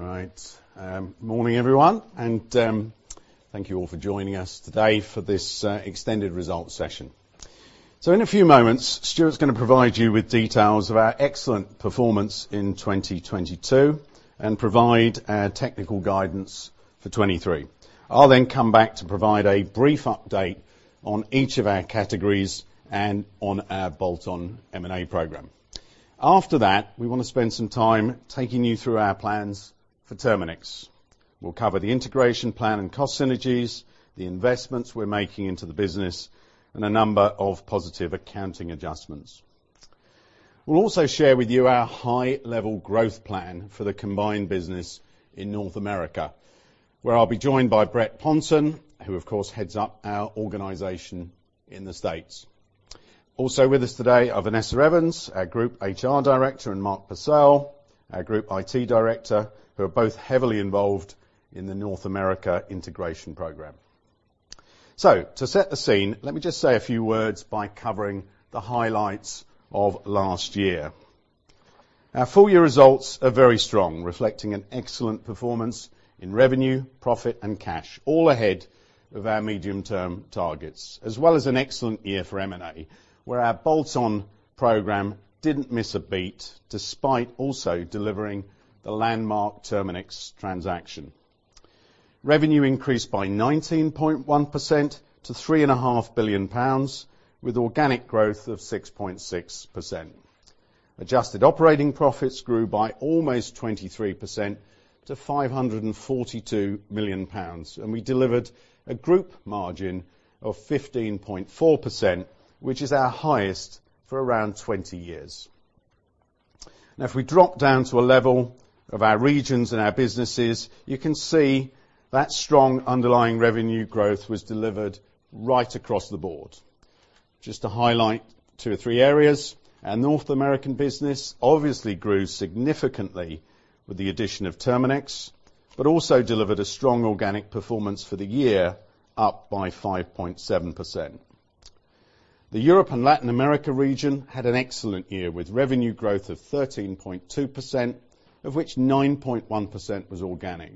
Right. Morning, everyone, and thank you all for joining us today for this extended results session. In a few moments, Stuart's gonna provide you with details of our excellent performance in 2022, and provide our technical guidance for 2023. I'll then come back to provide a brief update on each of our categories and on our bolt-on M&A program. After that, we wanna spend some time taking you through our plans for Terminix. We'll cover the integration plan and cost synergies, the investments we're making into the business, and a number of positive accounting adjustments. We'll also share with you our high level growth plan for the combined business in North America, where I'll be joined by Brett Ponton, who, of course, heads up our organization in the States. With us today are Vanessa Evans, our Group HR Director, and Mark Purcell, our Group IT Director, who are both heavily involved in the North America integration program. To set the scene, let me just say a few words by covering the highlights of last year. Our full year results are very strong, reflecting an excellent performance in revenue, profit and cash, all ahead of our medium-term targets. As well as an excellent year for M&A, where our bolt-on program didn't miss a beat, despite also delivering the landmark Terminix transaction. Revenue increased by 19.1% to 3.5 billion pounds, with organic growth of 6.6%. Adjusted operating profits grew by almost 23% to 542 million pounds, and we delivered a group margin of 15.4%, which is our highest for around 20 years. If we drop down to a level of our regions and our businesses, you can see that strong underlying revenue growth was delivered right across the board. Just to highlight two or three areas, our North American business obviously grew significantly with the addition of Terminix, but also delivered a strong organic performance for the year, up by 5.7%. The Europe and Latin America region had an excellent year, with revenue growth of 13.2%, of which 9.1% was organic.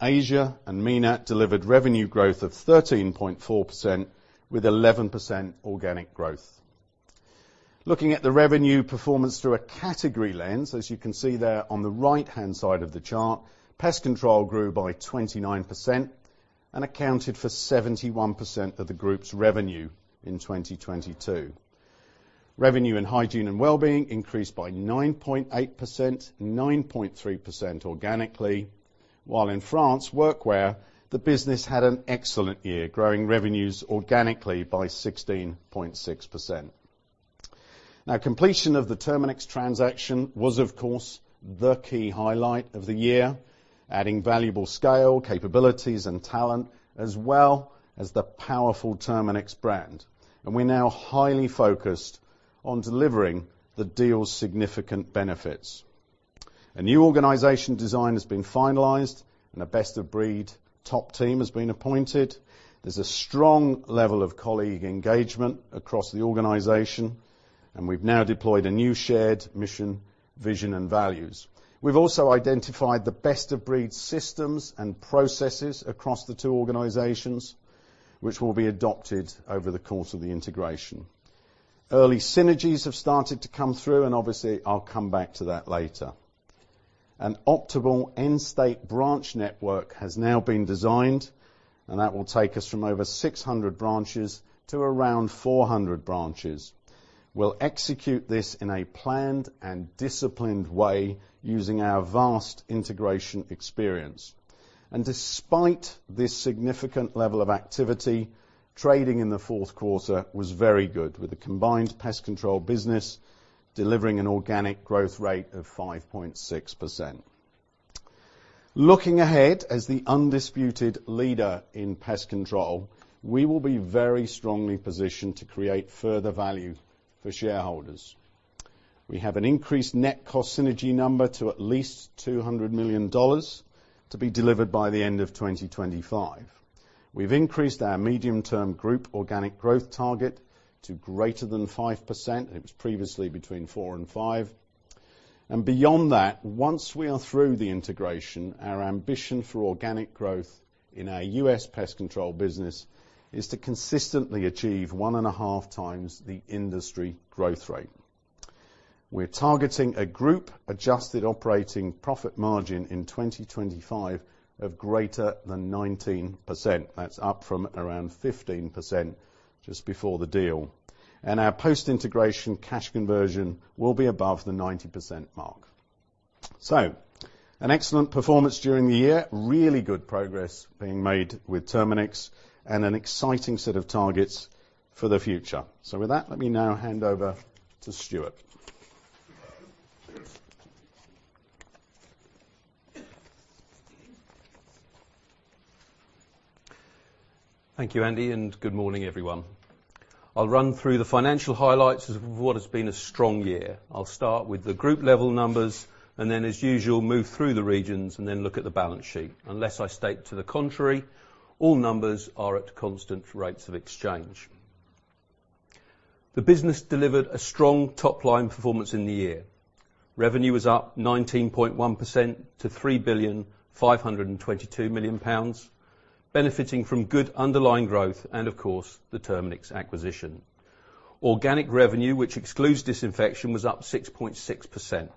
Asia and MENAT delivered revenue growth of 13.4%, with 11% organic growth. Looking at the revenue performance through a category lens, as you can see there on the right-hand side of the chart, pest control grew by 29% and accounted for 71% of the group's revenue in 2022. Revenue in hygiene and wellbeing increased by 9.8%, 9.3% organically, while in France Workwear, the business had an excellent year, growing revenues organically by 16.6%. Now, completion of the Terminix transaction was, of course, the key highlight of the year, adding valuable scale, capabilities and talent, as well as the powerful Terminix brand, and we're now highly focused on delivering the deal's significant benefits. A new organization design has been finalized, and a best of breed top team has been appointed. There's a strong level of colleague engagement across the organization, and we've now deployed a new shared mission, vision and values. We've also identified the best of breed systems and processes across the two organizations, which will be adopted over the course of the integration. Early synergies have started to come through and obviously I'll come back to that later. An optimal end-state branch network has now been designed, that will take us from over 600 branches to around 400 branches. We'll execute this in a planned and disciplined way using our vast integration experience. Despite this significant level of activity, trading in the fourth quarter was very good, with the combined pest control business delivering an organic growth rate of 5.6%. Looking ahead, as the undisputed leader in pest control, we will be very strongly positioned to create further value for shareholders. We have an increased net cost synergy number to at least $200 million to be delivered by the end of 2025. We've increased our medium-term group organic growth target to greater than 5%. It was previously between 4 and 5. Beyond that, once we are through the integration, our ambition for organic growth in our U.S. pest control business is to consistently achieve 1.5x The industry growth rate. We're targeting a group Adjusted operating profit margin in 2025 of greater than 19%. That's up from around 15% just before the deal. Our post-integration cash conversion will be above the 90% mark. An excellent performance during the year, really good progress being made with Terminix, and an exciting set of targets for the future. With that, let me now hand over to Stuart. Thank you, Andy, and good morning, everyone. I'll run through the financial highlights of what has been a strong year. I'll start with the group level numbers and then, as usual, move through the regions and then look at the balance sheet. Unless I state to the contrary, all numbers are at constant rates of exchange. The business delivered a strong top-line performance in the year. Revenue was up 19.1% to 3.522 billion, benefiting from good underlying growth and, of course, the Terminix acquisition. Organic revenue, which excludes disinfection, was up 6.6%.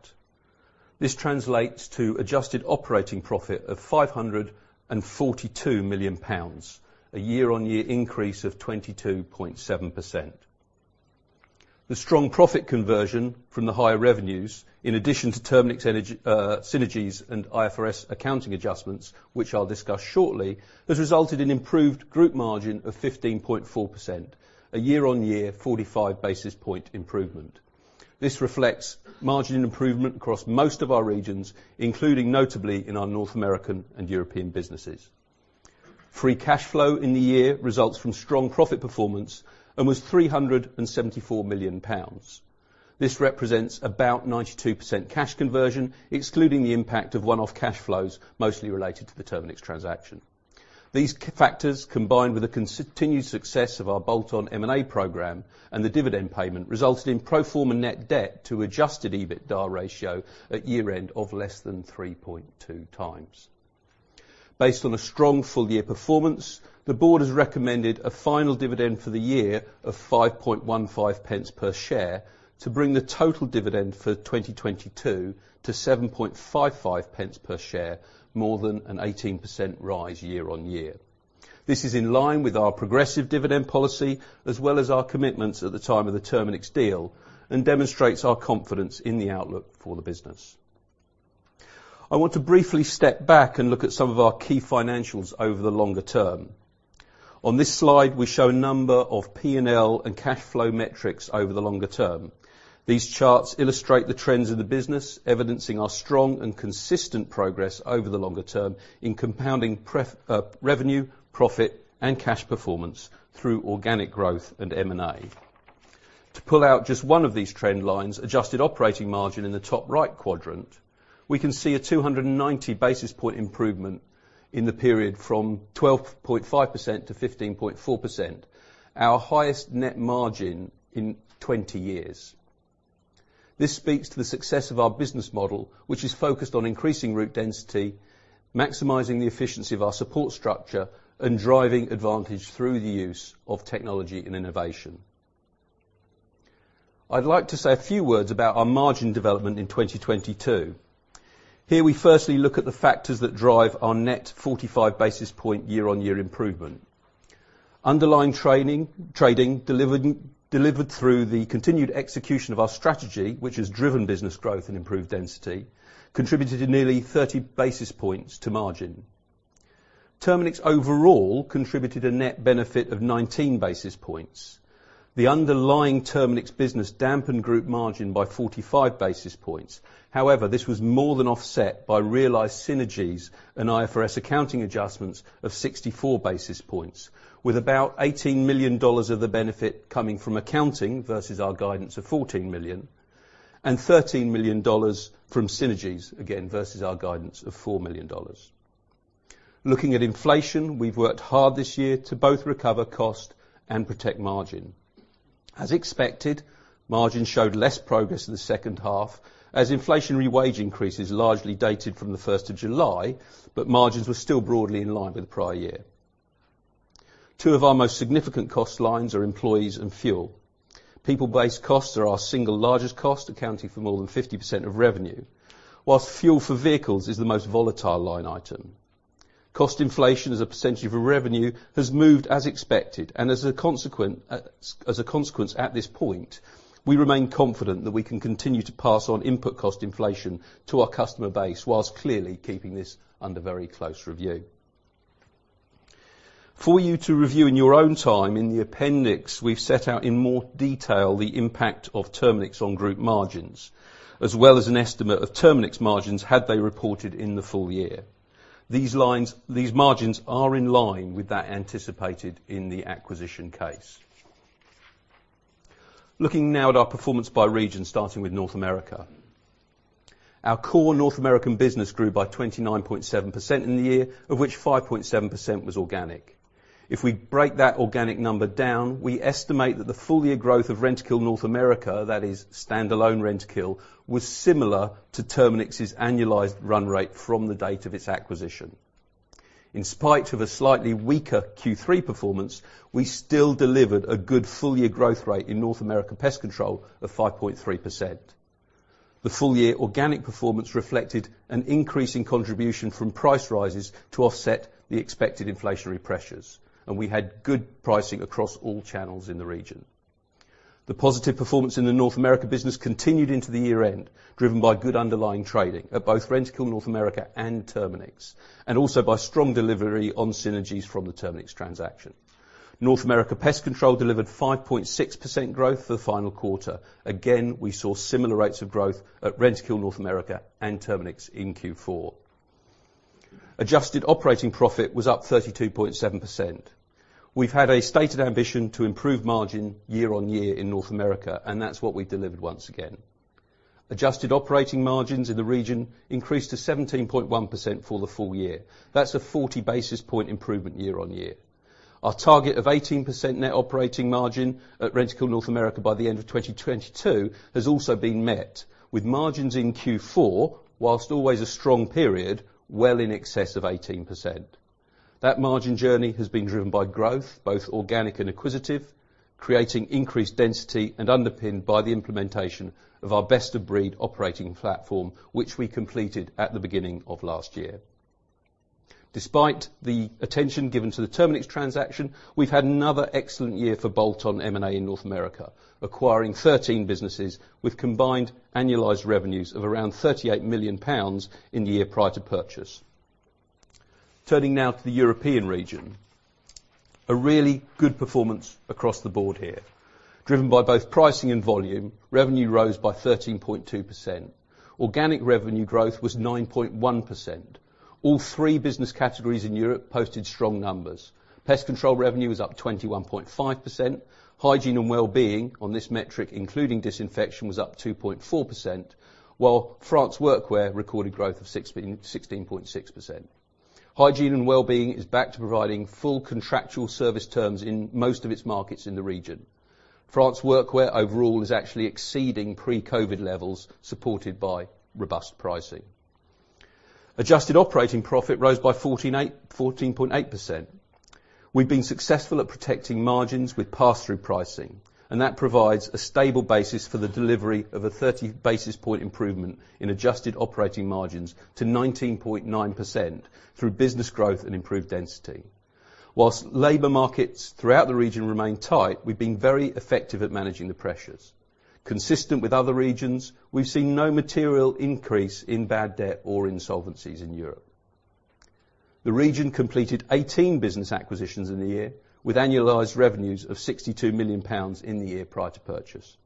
This translates to adjusted operating profit of 542 million pounds, a year-on-year increase of 22.7%. The strong profit conversion from the higher revenues, in addition to Terminix synergies and IFRS accounting adjustments, which I'll discuss shortly, has resulted in improved group margin of 15.4%, a year-on-year 45 basis point improvement. This reflects margin improvement across most of our regions, including notably in our North American and European businesses. Free cash flow in the year results from strong profit performance and was 374 million pounds. This represents about 92% cash conversion, excluding the impact of one-off cash flows, mostly related to the Terminix transaction. These factors, combined with the continued success of our bolt-on M&A program and the dividend payment, resulted in pro forma net debt to adjusted EBITDA ratio at year-end of less than 3.2x. Based on a strong full-year performance, the board has recommended a final dividend for the year of 5.15 pence per share to bring the total dividend for 2022 to 7.55 pence per share, more than an 18% rise year-on-year. This is in line with our progressive dividend policy, as well as our commitments at the time of the Terminix deal and demonstrates our confidence in the outlook for the business. I want to briefly step back and look at some of our key financials over the longer term. On this slide, we show a number of P&L and cash flow metrics over the longer term. These charts illustrate the trends of the business, evidencing our strong and consistent progress over the longer term in compounding revenue, profit, and cash performance through organic growth and M&A. To pull out just one of these trend lines, adjusted operating margin in the top right quadrant, we can see a 290 basis point improvement in the period from 12.5% to 15.4%, our highest net margin in 20 years. This speaks to the success of our business model, which is focused on increasing route density, maximizing the efficiency of our support structure, and driving advantage through the use of technology and innovation. I'd like to say a few words about our margin development in 2022. Here, we firstly look at the factors that drive our net 45 basis point year-on-year improvement. Underlying trading delivered through the continued execution of our strategy, which has driven business growth and improved density, contributed nearly 30 basis points to margin. Terminix overall contributed a net benefit of 19 basis points. The underlying Terminix business dampened group margin by 45 basis points. This was more than offset by realized synergies and IFRS accounting adjustments of 64 basis points, with about $18 million of the benefit coming from accounting versus our guidance of $14 million, and 13 million from synergies, again, versus our guidance of $4 million. Looking at inflation, we've worked hard this year to both recover cost and protect margin. As expected, margin showed less progress in the second half as inflationary wage increases largely dated from the 1st of July, but margins were still broadly in line with the prior year. Two of our most significant cost lines are employees and fuel. People-based costs are our single largest cost, accounting for more than 50% of revenue, whilst fuel for vehicles is the most volatile line item. Cost inflation as a percentage of revenue has moved as expected, as a consequence at this point, we remain confident that we can continue to pass on input cost inflation to our customer base whilst clearly keeping this under very close review. For you to review in your own time, in the appendix, we've set out in more detail the impact of Terminix on group margins, as well as an estimate of Terminix margins had they reported in the full year. These margins are in line with that anticipated in the acquisition case. Looking now at our performance by region, starting with North America. Our core North American business grew by 29.7% in the year, of which 5.7% was organic. If we break that organic number down, we estimate that the full year growth of Rentokil North America, that is standalone Rentokil, was similar to Terminix's annualized run rate from the date of its acquisition. In spite of a slightly weaker Q3 performance, we still delivered a good full year growth rate in North America Pest Control of 5.3%. The full year organic performance reflected an increase in contribution from price rises to offset the expected inflationary pressures, and we had good pricing across all channels in the region. The positive performance in the North America business continued into the year-end, driven by good underlying trading at both Rentokil North America and Terminix, and also by strong delivery on synergies from the Terminix transaction. North America Pest Control delivered 5.6% growth for the final quarter. We saw similar rates of growth at Rentokil North America and Terminix in Q4. Adjusted operating profit was up 32.7%. We've had a stated ambition to improve margin year-over-year in North America, and that's what we delivered once again. Adjusted operating margins in the region increased to 17.1% for the full year. That's a 40 basis point improvement year-over-year. Our target of 18% net operating margin at Rentokil North America by the end of 2022 has also been met, with margins in Q4, whilst always a strong period, well in excess of 18%. That margin journey has been driven by growth, both organic and acquisitive, creating increased density and underpinned by the implementation of our best-of-breed operating platform, which we completed at the beginning of last year. Despite the attention given to the Terminix transaction, we've had another excellent year for bolt-on M&A in North America, acquiring 13 businesses with combined annualized revenues of around 38 million pounds in the year prior to purchase. Turning now to the European region. A really good performance across the board here. Driven by both pricing and volume, revenue rose by 13.2%. Organic revenue growth was 9.1%. All three business categories in Europe posted strong numbers. Pest control revenue was up 21.5%. Hygiene and wellbeing on this metric, including disinfection, was up 2.4%, while France Workwear recorded growth of 16.6%. Hygiene and wellbeing is back to providing full contractual service terms in most of its markets in the region. France Workwear overall is actually exceeding pre-COVID levels supported by robust pricing. Adjusted operating profit rose by 14.8%. We've been successful at protecting margins with pass-through pricing. That provides a stable basis for the delivery of a 30 basis point improvement in adjusted operating margins to 19.9% through business growth and improved density. Whilst labor markets throughout the region remain tight, we've been very effective at managing the pressures. Consistent with other regions, we've seen no material increase in bad debt or insolvencies in Europe. The region completed 18 business acquisitions in the year, with annualized revenues of 62 million pounds in the year prior to purchase.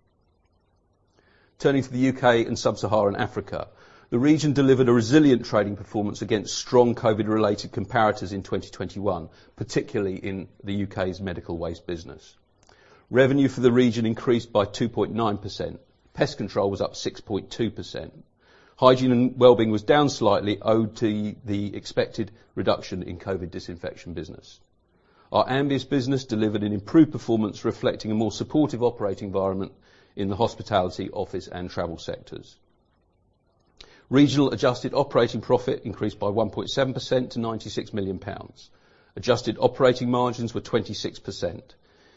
Turning to the U.K. and sub-Saharan Africa, the region delivered a resilient trading performance against strong COVID-related comparators in 2021, particularly in the U.K.'s medical waste business. Revenue for the region increased by 2.9%. Pest control was up 6.2%. Hygiene and wellbeing was down slightly owed to the expected reduction in COVID disinfection business. Our Ambius business delivered an improved performance reflecting a more supportive operating environment in the hospitality, office, and travel sectors. Regional adjusted operating profit increased by 1.7% to 96 million pounds. Adjusted operating margins were 26%.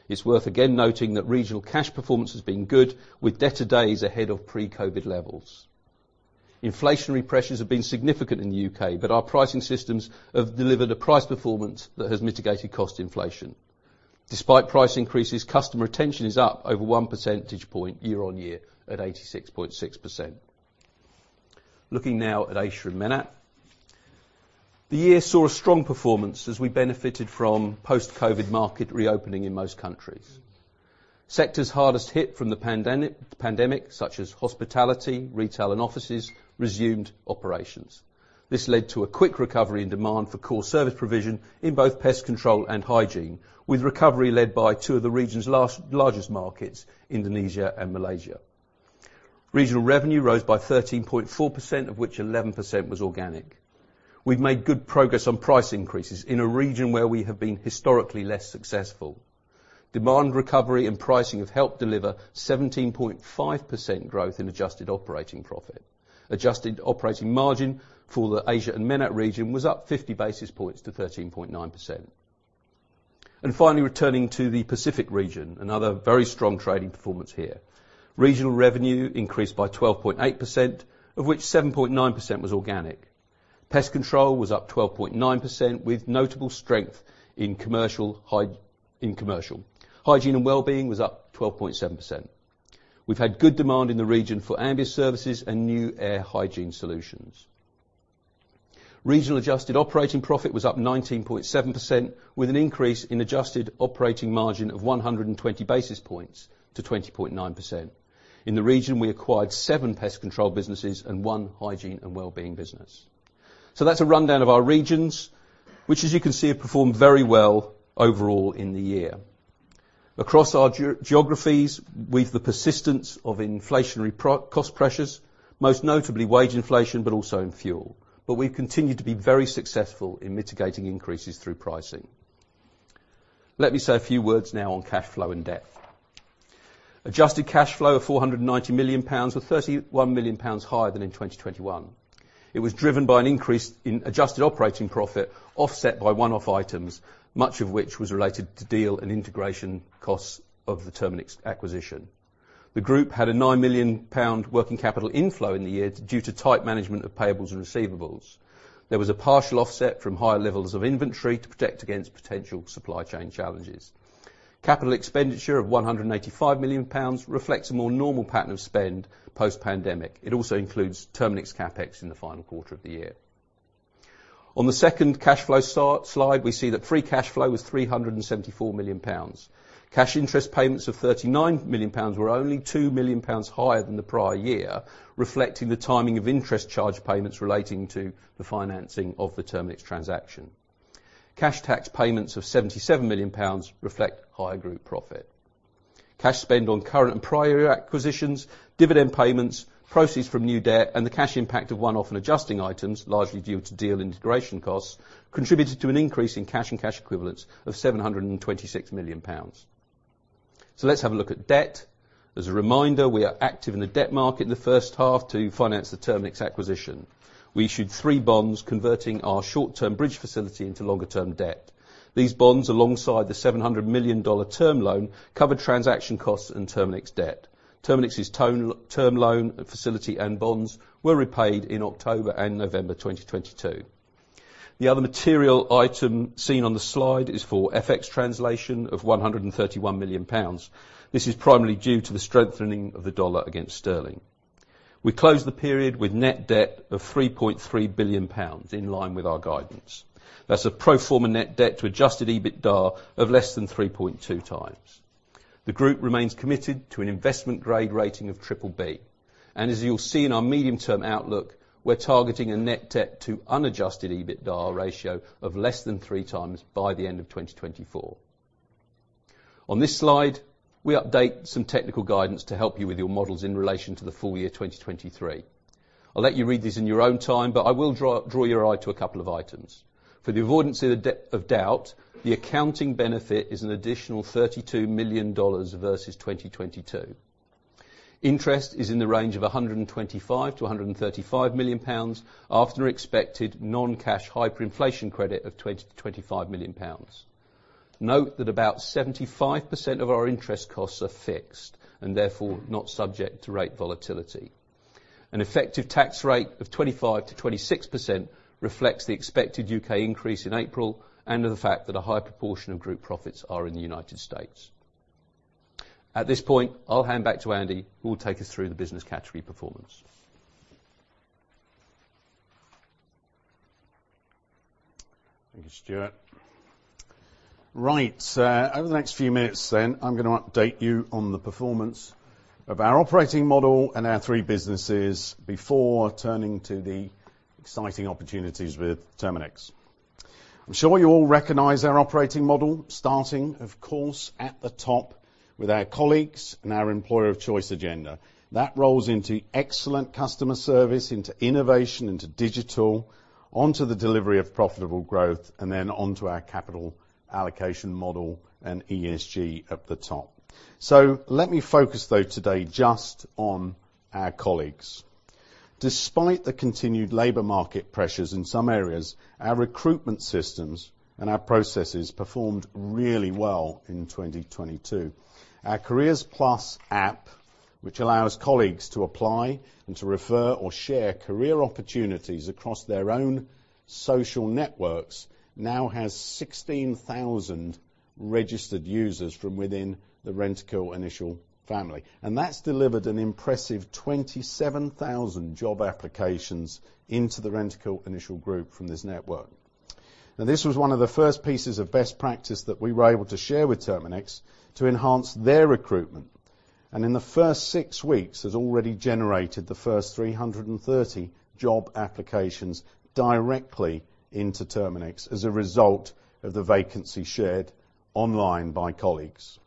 It's worth again noting that regional cash performance has been good, with debtor days ahead of pre-COVID levels. Inflationary pressures have been significant in the U.K., our pricing systems have delivered a price performance that has mitigated cost inflation. Despite price increases, customer retention is up over 1 percentage point year-over-year at 86.6%. Looking now at Asia and MENAT. The year saw a strong performance as we benefited from post-COVID market reopening in most countries. Sectors hardest hit from the pandemic such as hospitality, retail, and offices resumed operations. This led to a quick recovery in demand for core service provision in both pest control and hygiene, with recovery led by two of the region's last largest markets, Indonesia and Malaysia. Regional revenue rose by 13.4%, of which 11% was organic. We've made good progress on price increases in a region where we have been historically less successful. Demand recovery and pricing have helped deliver 17.5% growth in adjusted operating profit. Adjusted operating margin for the Asia and MENAT region was up 50 basis points to 13.9%. Finally, returning to the Pacific region, another very strong trading performance here. Regional revenue increased by 12.8%, of which 7.9% was organic. Pest control was up 12.9% with notable strength in commercial. Hygiene and wellbeing was up 12.7%. We've had good demand in the region for Ambius services and new air hygiene solutions. Regional adjusted operating profit was up 19.7% with an increase in adjusted operating margin of 120 basis points to 20.9%. In the region, we acquired seven pest control businesses and one hygiene and wellbeing business. That's a rundown of our regions, which as you can see, have performed very well overall in the year. Across our geographies, with the persistence of inflationary cost pressures, most notably wage inflation, but also in fuel. We've continued to be very successful in mitigating increases through pricing. Let me say a few words now on cash flow and debt. Adjusted cash flow of 490 million pounds was 31 million higher than in 2021. It was driven by an increase in adjusted operating profit offset by one-off items, much of which was related to deal and integration costs of the Terminix acquisition. The group had a 9 million pound working capital inflow in the year due to tight management of payables and receivables. There was a partial offset from higher levels of inventory to protect against potential supply chain challenges. Capital expenditure of 185 million pounds reflects a more normal pattern of spend post-pandemic. It also includes Terminix CapEx in the final quarter of the year. On the second cash flow slide, we see that free cash flow was 374 million pounds. Cash interest payments of 39 million pounds were only 2 million higher than the prior year, reflecting the timing of interest charge payments relating to the financing of the Terminix transaction. Cash tax payments of 77 million pounds reflect higher group profit. Cash spend on current and prior acquisitions, dividend payments, proceeds from new debt, and the cash impact of one-off and adjusting items, largely due to deal integration costs, contributed to an increase in cash and cash equivalents of 726 million pounds. Let's have a look at debt. As a reminder, we are active in the debt market in the first half to finance the Terminix acquisition. We issued three bonds converting our short-term bridge facility into longer-term debt. These bonds, alongside the $700 million term loan, covered transaction costs and Terminix debt. Terminix's term loan facility and bonds were repaid in October and November 2022. The other material item seen on the slide is for FX translation of 131 million pounds. This is primarily due to the strengthening of the dollar against sterling. We closed the period with net debt of 3.3 billion pounds in line with our guidance. That's a pro forma net debt to adjusted EBITDA of less than 3.2x. The group remains committed to an investment-grade rating of BBB. As you'll see in our medium-term outlook, we're targeting a net debt to unadjusted EBITDA ratio of less than 3x by the end of 2024. On this slide, we update some technical guidance to help you with your models in relation to the full year 2023. I'll let you read this in your own time, I will draw your eye to a couple of items. For the avoidance of doubt, the accounting benefit is an additional $32 million versus 2022. Interest is in the range of 125 million-135 million pounds after expected non-cash hyperinflation credit of 25 million pounds. Note that about 75% of our interest costs are fixed, and therefore, not subject to rate volatility. An effective tax rate of 25%-26% reflects the expected U.K. Increase in April, and the fact that a high proportion of group profits are in the United States. At this point, I'll hand back to Andy, who will take us through the business category performance. Thank you, Stuart. Over the next few minutes, I'm gonna update you on the performance of our operating model and our three businesses before turning to the exciting opportunities with Terminix. I'm sure you all recognize our operating model, starting, of course, at the top with our colleagues and our employer of choice agenda. That rolls into excellent customer service, into innovation, into digital, onto the delivery of profitable growth, and then onto our capital allocation model and ESG at the top. Let me focus, though, today just on our colleagues. Despite the continued labor market pressures in some areas, our recruitment systems and our processes performed really well in 2022. Our Careers Plus app, which allows colleagues to apply and to refer or share career opportunities across their own social networks, now has 16,000 registered users from within the Rentokil Initial family. That's delivered an impressive 27,000 job applications into the Rentokil Initial group from this network. Now, this was one of the first pieces of best practice that we were able to share with Terminix to enhance their recruitment. In the first 6 weeks, has already generated the first 330 job applications directly into Terminix as a result of the vacancy shared online by colleagues.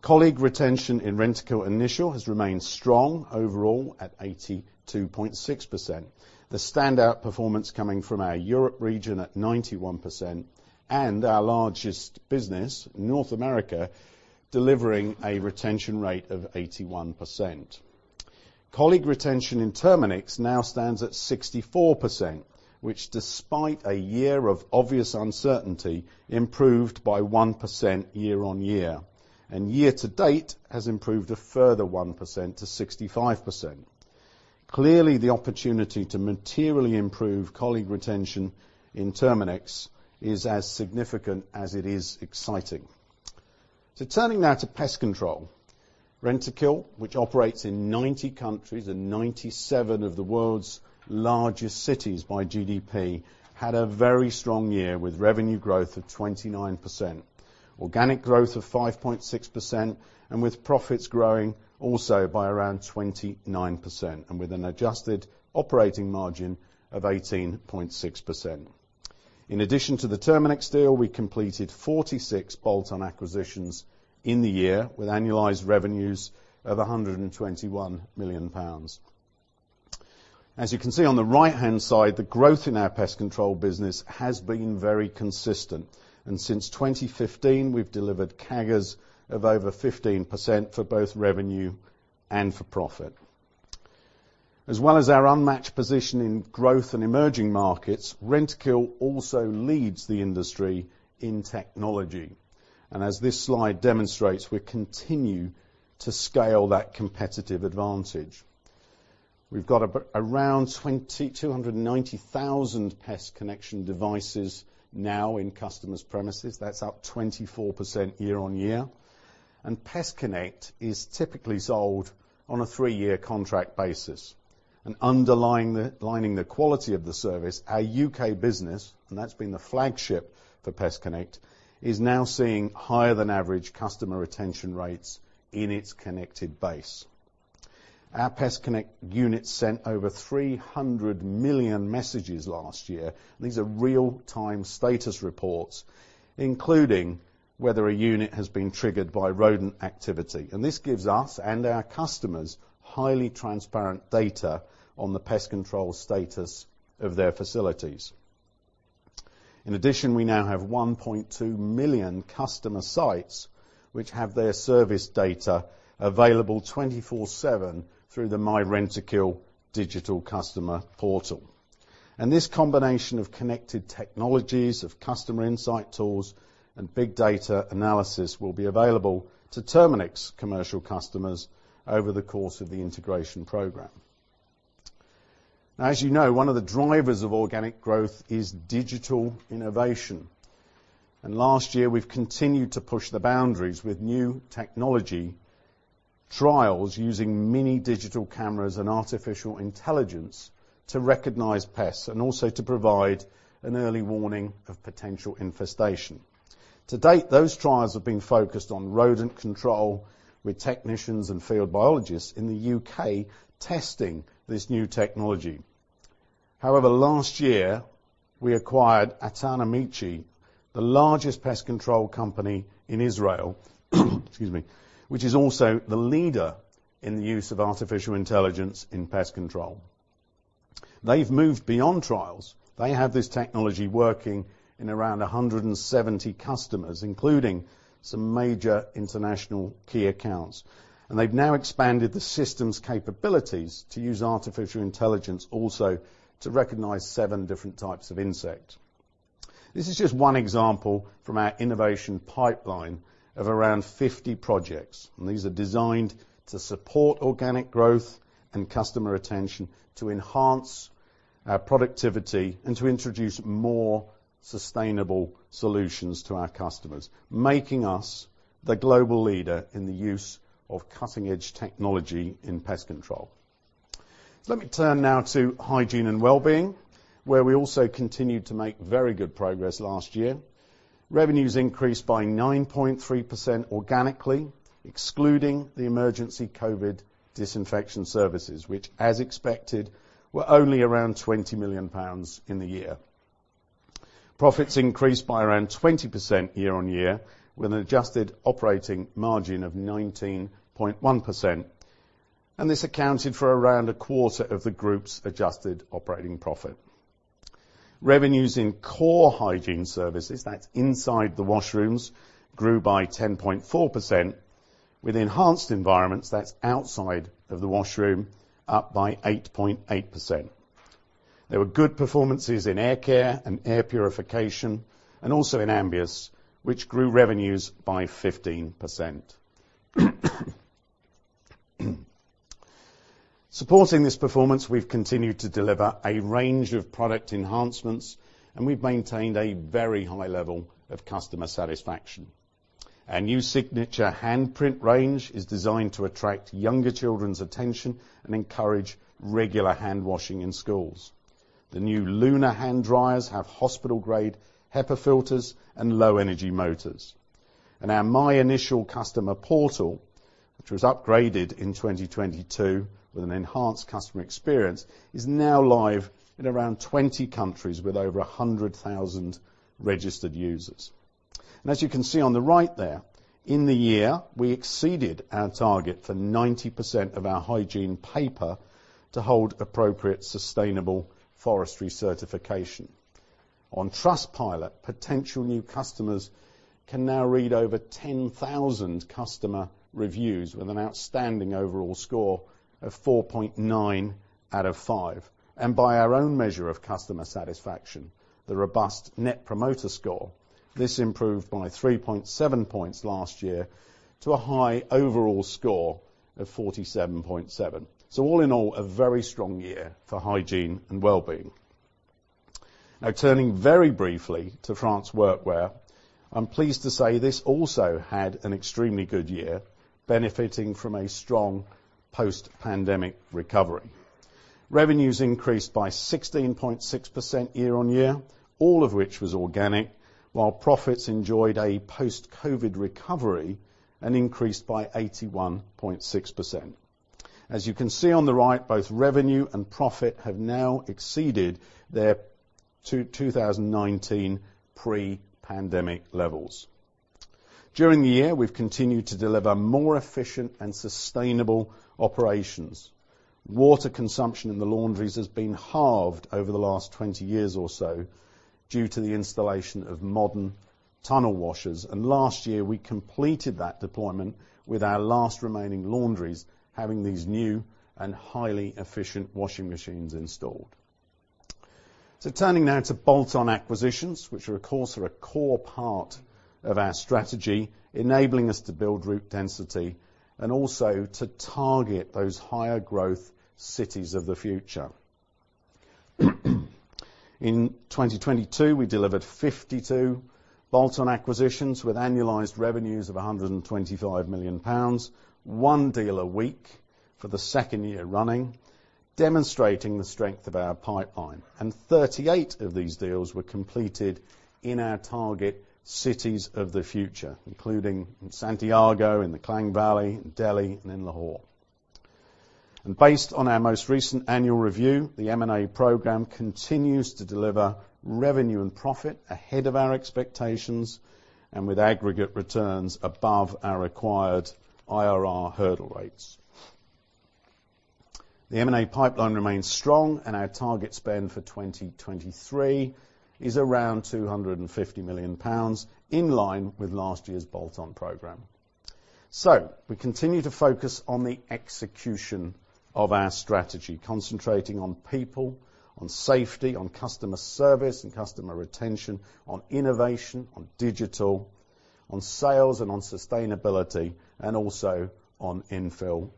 Colleague retention in Rentokil Initial has remained strong overall at 82.6%. The standout performance coming from our Europe region at 91%, and our largest business, North America, delivering a retention rate of 81%. Colleague retention in Terminix now stands at 64%, which despite a year of obvious uncertainty, improved by 1% year-on-year. Year to date has improved a further 1% to 65%. Clearly, the opportunity to materially improve colleague retention in Terminix is as significant as it is exciting. Turning now to pest control. Rentokil, which operates in 90 countries and 97 of the world's largest cities by GDP, had a very strong year with revenue growth of 29%, organic growth of 5.6%, and with profits growing also by around 29%, and with an adjusted operating margin of 18.6%. In addition to the Terminix deal, we completed 46 bolt-on acquisitions in the year, with annualized revenues of 121 million pounds. As you can see on the right-hand side, the growth in our pest control business has been very consistent. Since 2015, we've delivered CAGRs of over 15% for both revenue and for profit. As well as our unmatched position in growth in emerging markets, Rentokil also leads the industry in technology As this slide demonstrates, we continue to scale that competitive advantage. We've got around 290,000 PestConnect devices now in customers' premises. That's up 24% year-on-year. PestConnect is typically sold on a three-year contract basis. Underlying the quality of the service, our U.K. business, and that's been the flagship for PestConnect, is now seeing higher than average customer retention rates in its connected base. Our PestConnect unit sent over 300 million messages last year. These are real-time status reports, including whether a unit has been triggered by rodent activity. This gives us and our customers highly transparent data on the pest control status of their facilities. In addition, we now have 1.2 million customer sites which have their service data available 24/7 through the myRentokil digital customer portal. This combination of connected technologies, of customer insight tools, and big data analysis will be available to Terminix commercial customers over the course of the integration program. Now, as you know, one of the drivers of organic growth is digital innovation. Last year, we've continued to push the boundaries with new technology trials using mini digital cameras and artificial intelligence to recognize pests and also to provide an early warning of potential infestation. To date, those trials have been focused on rodent control with technicians and field biologists in the U.K. testing this new technology. However, last year, we acquired Eitan Amichai, the largest pest control company in Israel, excuse me, which is also the leader in the use of artificial intelligence in pest control. They've moved beyond trials. They have this technology working in around 170 customers, including some major international key accounts. They've now expanded the system's capabilities to use artificial intelligence also to recognize 7 different types of insect. This is just one example from our innovation pipeline of around 50 projects, and these are designed to support organic growth and customer retention, to enhance our productivity, and to introduce more sustainable solutions to our customers, making us the global leader in the use of cutting-edge technology in pest control. Let me turn now to hygiene and wellbeing, where we also continued to make very good progress last year. Revenues increased by 9.3% organically, excluding the emergency COVID disinfection services, which, as expected, were only around 20 million pounds in the year. Profits increased by around 20% year-on-year with an adjusted operating margin of 19.1%, and this accounted for around a quarter of the group's adjusted operating profit. Revenues in core hygiene services, that's inside the washrooms, grew by 10.4% with enhanced environments, that's outside of the washroom, up by 8.8%. There were good performances in air care and air purification, also in Ambius, which grew revenues by 15%. Supporting this performance, we've continued to deliver a range of product enhancements, we've maintained a very high level of customer satisfaction. Our new Signature handprint range is designed to attract younger children's attention and encourage regular handwashing in schools. The new Lunar hand dryers have hospital-grade HEPA filters and low-energy motors. Our myInitial customer portal, which was upgraded in 2022 with an enhanced customer experience, is now live in around 20 countries with over 100,000 registered users. As you can see on the right there, in the year, we exceeded our target for 90% of our hygiene paper to hold appropriate sustainable forestry certification. On Trustpilot, potential new customers can now read over 10,000 customer reviews with an outstanding overall score of 4.9 out of 5. By our own measure of customer satisfaction, the robust net promoter score, this improved by 3.7 points last year to a high overall score of 47.7. All in all, a very strong year for hygiene and wellbeing. Turning very briefly to France Workwear, I'm pleased to say this also had an extremely good year benefiting from a strong post-pandemic recovery. Revenues increased by 16.6% year-on-year, all of which was organic, while profits enjoyed a post-COVID recovery and increased by 81.6%. As you can see on the right, both revenue and profit have now exceeded their 2019 pre-pandemic levels. During the year, we've continued to deliver more efficient and sustainable operations. Water consumption in the laundries has been halved over the last 20 years or so due to the installation of modern tunnel washers. Last year, we completed that deployment with our last remaining laundries having these new and highly efficient washing machines installed. Turning now to bolt-on acquisitions, which of course are a core part of our strategy, enabling us to build route density and also to target those higher growth cities of the future. In 2022, we delivered 52 bolt-on acquisitions with annualized revenues of 125 million pounds, one deal a week for the second year running. Demonstrating the strength of our pipeline, 38 of these deals were completed in our target cities of the future, including Santiago, in the Klang Valley, in Delhi, and in Lahore. Based on our most recent annual review, the M&A program continues to deliver revenue and profit ahead of our expectations, and with aggregate returns above our acquired IRR hurdle rates. The M&A pipeline remains strong, and our target spend for 2023 is around 250 million pounds, in line with last year's bolt-on program. We continue to focus on the execution of our strategy, concentrating on people, on safety, on customer service and customer retention, on innovation, on digital, on sales and on sustainability, and also on infill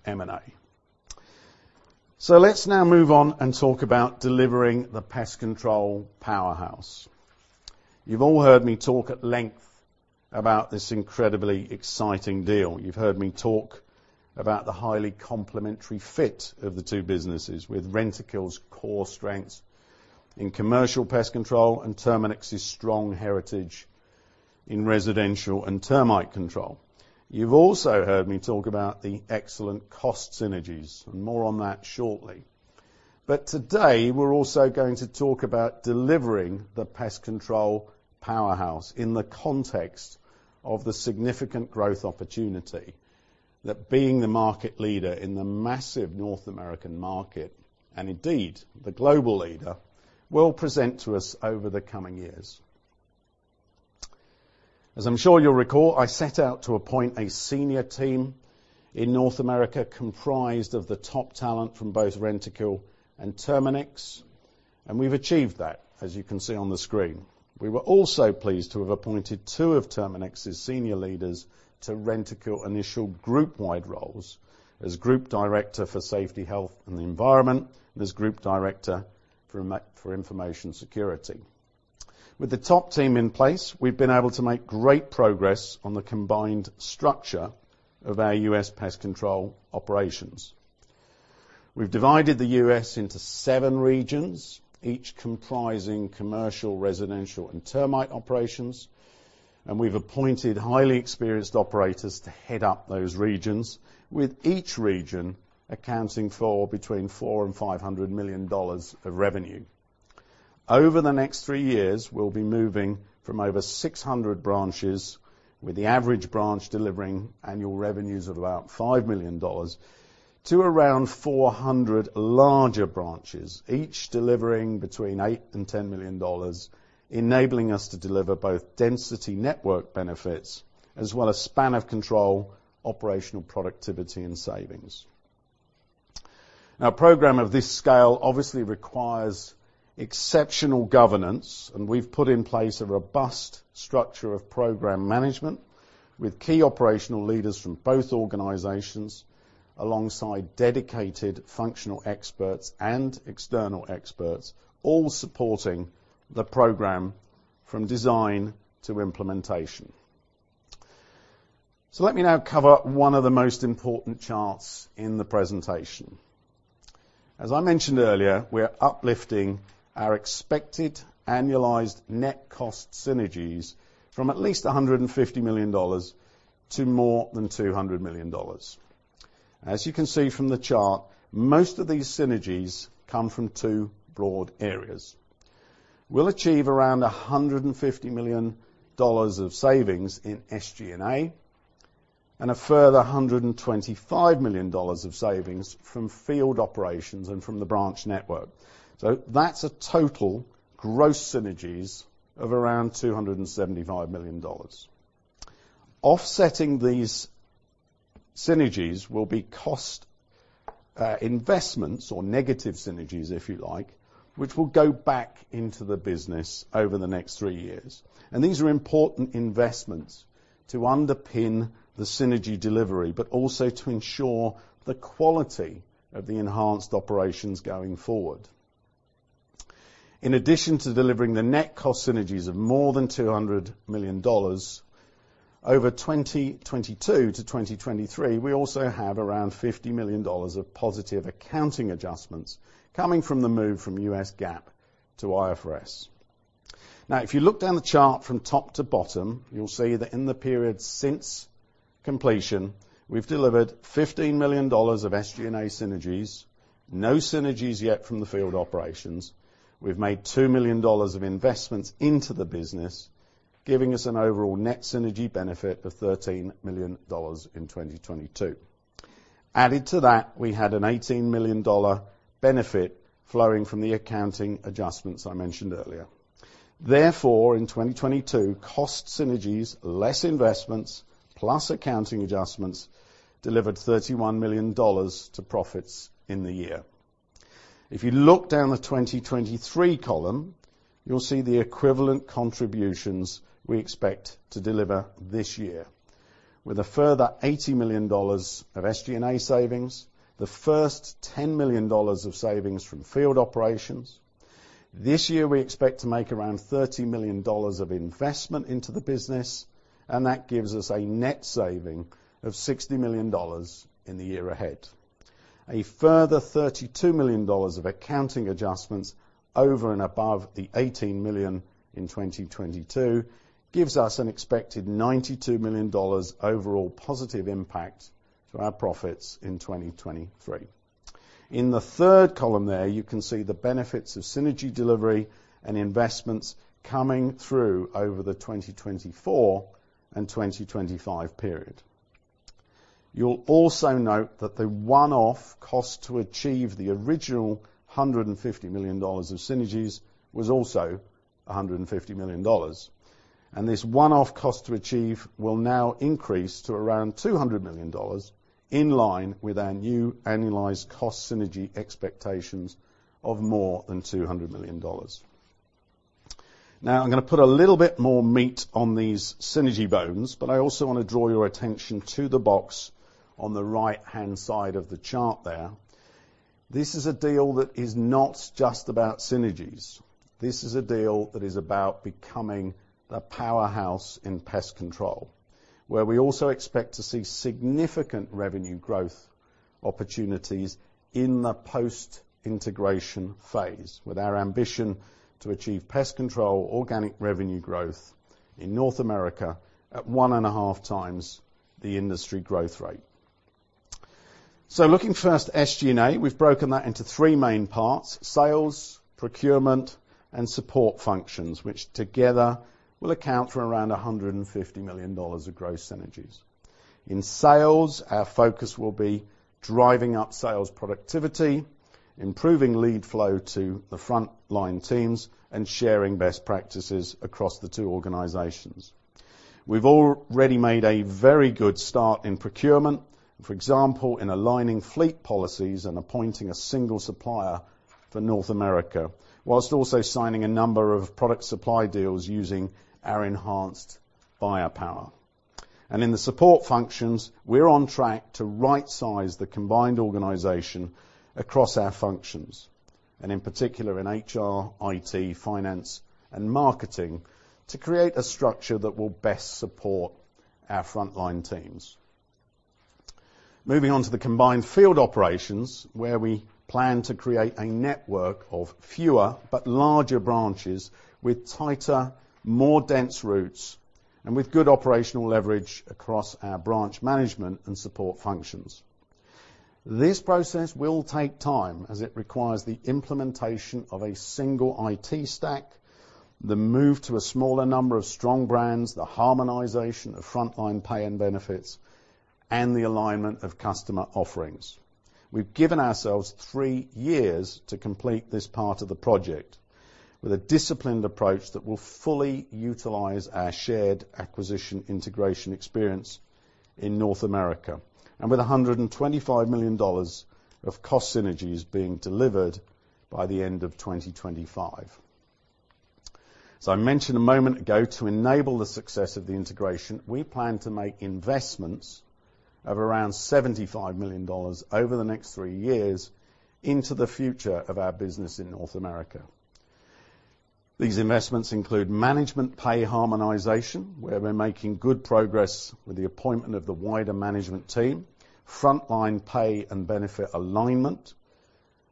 M&A. Let's now move on and talk about delivering the pest control powerhouse. You've all heard me talk at length about this incredibly exciting deal. You've heard me talk about the highly complementary fit of the two businesses with Rentokil's core strengths in commercial pest control and Terminix's strong heritage in residential and termite control. You've also heard me talk about the excellent cost synergies, and more on that shortly. Today, we're also going to talk about delivering the pest control powerhouse in the context of the significant growth opportunity that being the market leader in the massive North American market, and indeed the global leader, will present to us over the coming years. As I'm sure you'll recall, I set out to appoint a senior team in North America, comprised of the top talent from both Rentokil and Terminix, and we've achieved that, as you can see on the screen. We were also pleased to have appointed two of Terminix's senior leaders to Rentokil Initial group-wide roles as group director for safety, health and the environment, and as group director for information security. With the top team in place, we've been able to make great progress on the combined structure of our U.S. pest control operations. We've divided the U.S. into 7 regions, each comprising commercial, residential and termite operations, and we've appointed highly experienced operators to head up those regions, with each region accounting for between $400 million and $500 million of revenue. Over the next three years, we'll be moving from over 600 branches, with the average branch delivering annual revenues of about $5 million to around 400 larger branches, each delivering between $8 million and 10 million, enabling us to deliver both density network benefits as well as span of control, operational productivity and savings. Now, program of this scale obviously requires exceptional governance, and we've put in place a robust structure of program management with key operational leaders from both organizations, alongside dedicated functional experts and external experts, all supporting the program from design to implementation. Let me now cover one of the most important charts in the presentation. As I mentioned earlier, we're uplifting our expected annualized net cost synergies from at least $150 million to more than $200 million. As you can see from the chart, most of these synergies come from two broad areas. We'll achieve around $150 million of savings in SG&A, and a further $125 million of savings from field operations and from the branch network. That's a total gross synergies of around $275 million. Offsetting these synergies will be cost investments or negative synergies, if you like, which will go back into the business over the next three years. These are important investments to underpin the synergy delivery, but also to ensure the quality of the enhanced operations going forward. In addition to delivering the net cost synergies of more than $200 million over 2022 to 2023, we also have around $50 million of positive accounting adjustments coming from the move from U.S. GAAP to IFRS. If you look down the chart from top to bottom, you'll see that in the period since completion, we've delivered $15 million of SG&A synergies. No synergies yet from the field operations. We've made $2 million of investments into the business, giving us an overall net synergy benefit of $13 million in 2022. Added to that, we had an $18 million benefit flowing from the accounting adjustments I mentioned earlier. In 2022, cost synergies less investments plus accounting adjustments delivered $31 million to profits in the year. If you look down the 2023 column, you'll see the equivalent contributions we expect to deliver this year with a further $80 million of SG&A savings, the first $10 million of savings from field operations. This year, we expect to make around $30 million of investment into the business, and that gives us a net saving of $60 million in the year ahead. A further $32 million of accounting adjustments over and above the $18 million in 2022 gives us an expected $92 million overall positive impact to our profits in 2023. In the third column there, you can see the benefits of synergy delivery and investments coming through over the 2024 and 2025 period. You'll also note that the one-off cost to achieve the original $150 million of synergies was also $150 million. This one-off cost to achieve will now increase to around $200 million in line with our new annualized cost synergy expectations of more than $200 million. Now I'm gonna put a little bit more meat on these synergy bones, but I also wanna draw your attention to the box on the right-hand side of the chart there. This is a deal that is not just about synergies. This is a deal that is about becoming a powerhouse in pest control, where we also expect to see significant revenue growth opportunities in the post-integration phase with our ambition to achieve pest control organic revenue growth in North America at 1.5x the industry growth rate. Looking first SG&A, we've broken that into three main parts, sales, procurement, and support functions, which together will account for around $150 million of gross synergies. In sales, our focus will be driving up sales productivity, improving lead flow to the frontline teams, and sharing best practices across the two organizations. We've already made a very good start in procurement, for example, in aligning fleet policies and appointing a single supplier for North America, whilst also signing a number of product supply deals using our enhanced buyer power. In the support functions, we're on track to rightsize the combined organization across our functions, and in particular in HR, IT, finance, and marketing, to create a structure that will best support our frontline teams. Moving on to the combined field operations, where we plan to create a network of fewer but larger branches with tighter, more dense routes, and with good operational leverage across our branch management and support functions. This process will take time as it requires the implementation of a single IT stack, the move to a smaller number of strong brands, the harmonization of frontline pay and benefits, and the alignment of customer offerings. We've given ourselves three years to complete this part of the project with a disciplined approach that will fully utilize our shared acquisition integration experience in North America, and with $125 million of cost synergies being delivered by the end of 2025. I mentioned a moment ago, to enable the success of the integration, we plan to make investments of around $75 million over the next three years into the future of our business in North America. These investments include management pay harmonization, where we're making good progress with the appointment of the wider management team, frontline pay and benefit alignment,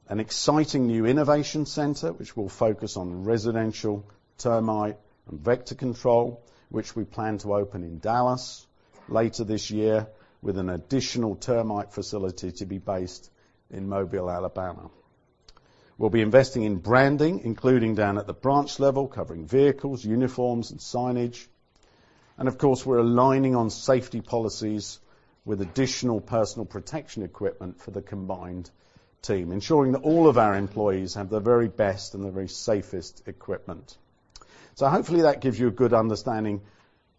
an exciting new innovation center which will focus on residential termite and vector control, which we plan to open in Dallas later this year with an additional termite facility to be based in Mobile, Alabama. We'll be investing in branding, including down at the branch level, covering vehicles, uniforms, and signage. Of course, we're aligning on safety policies with additional personal protection equipment for the combined team, ensuring that all of our employees have the very best and the very safest equipment. Hopefully that gives you a good understanding of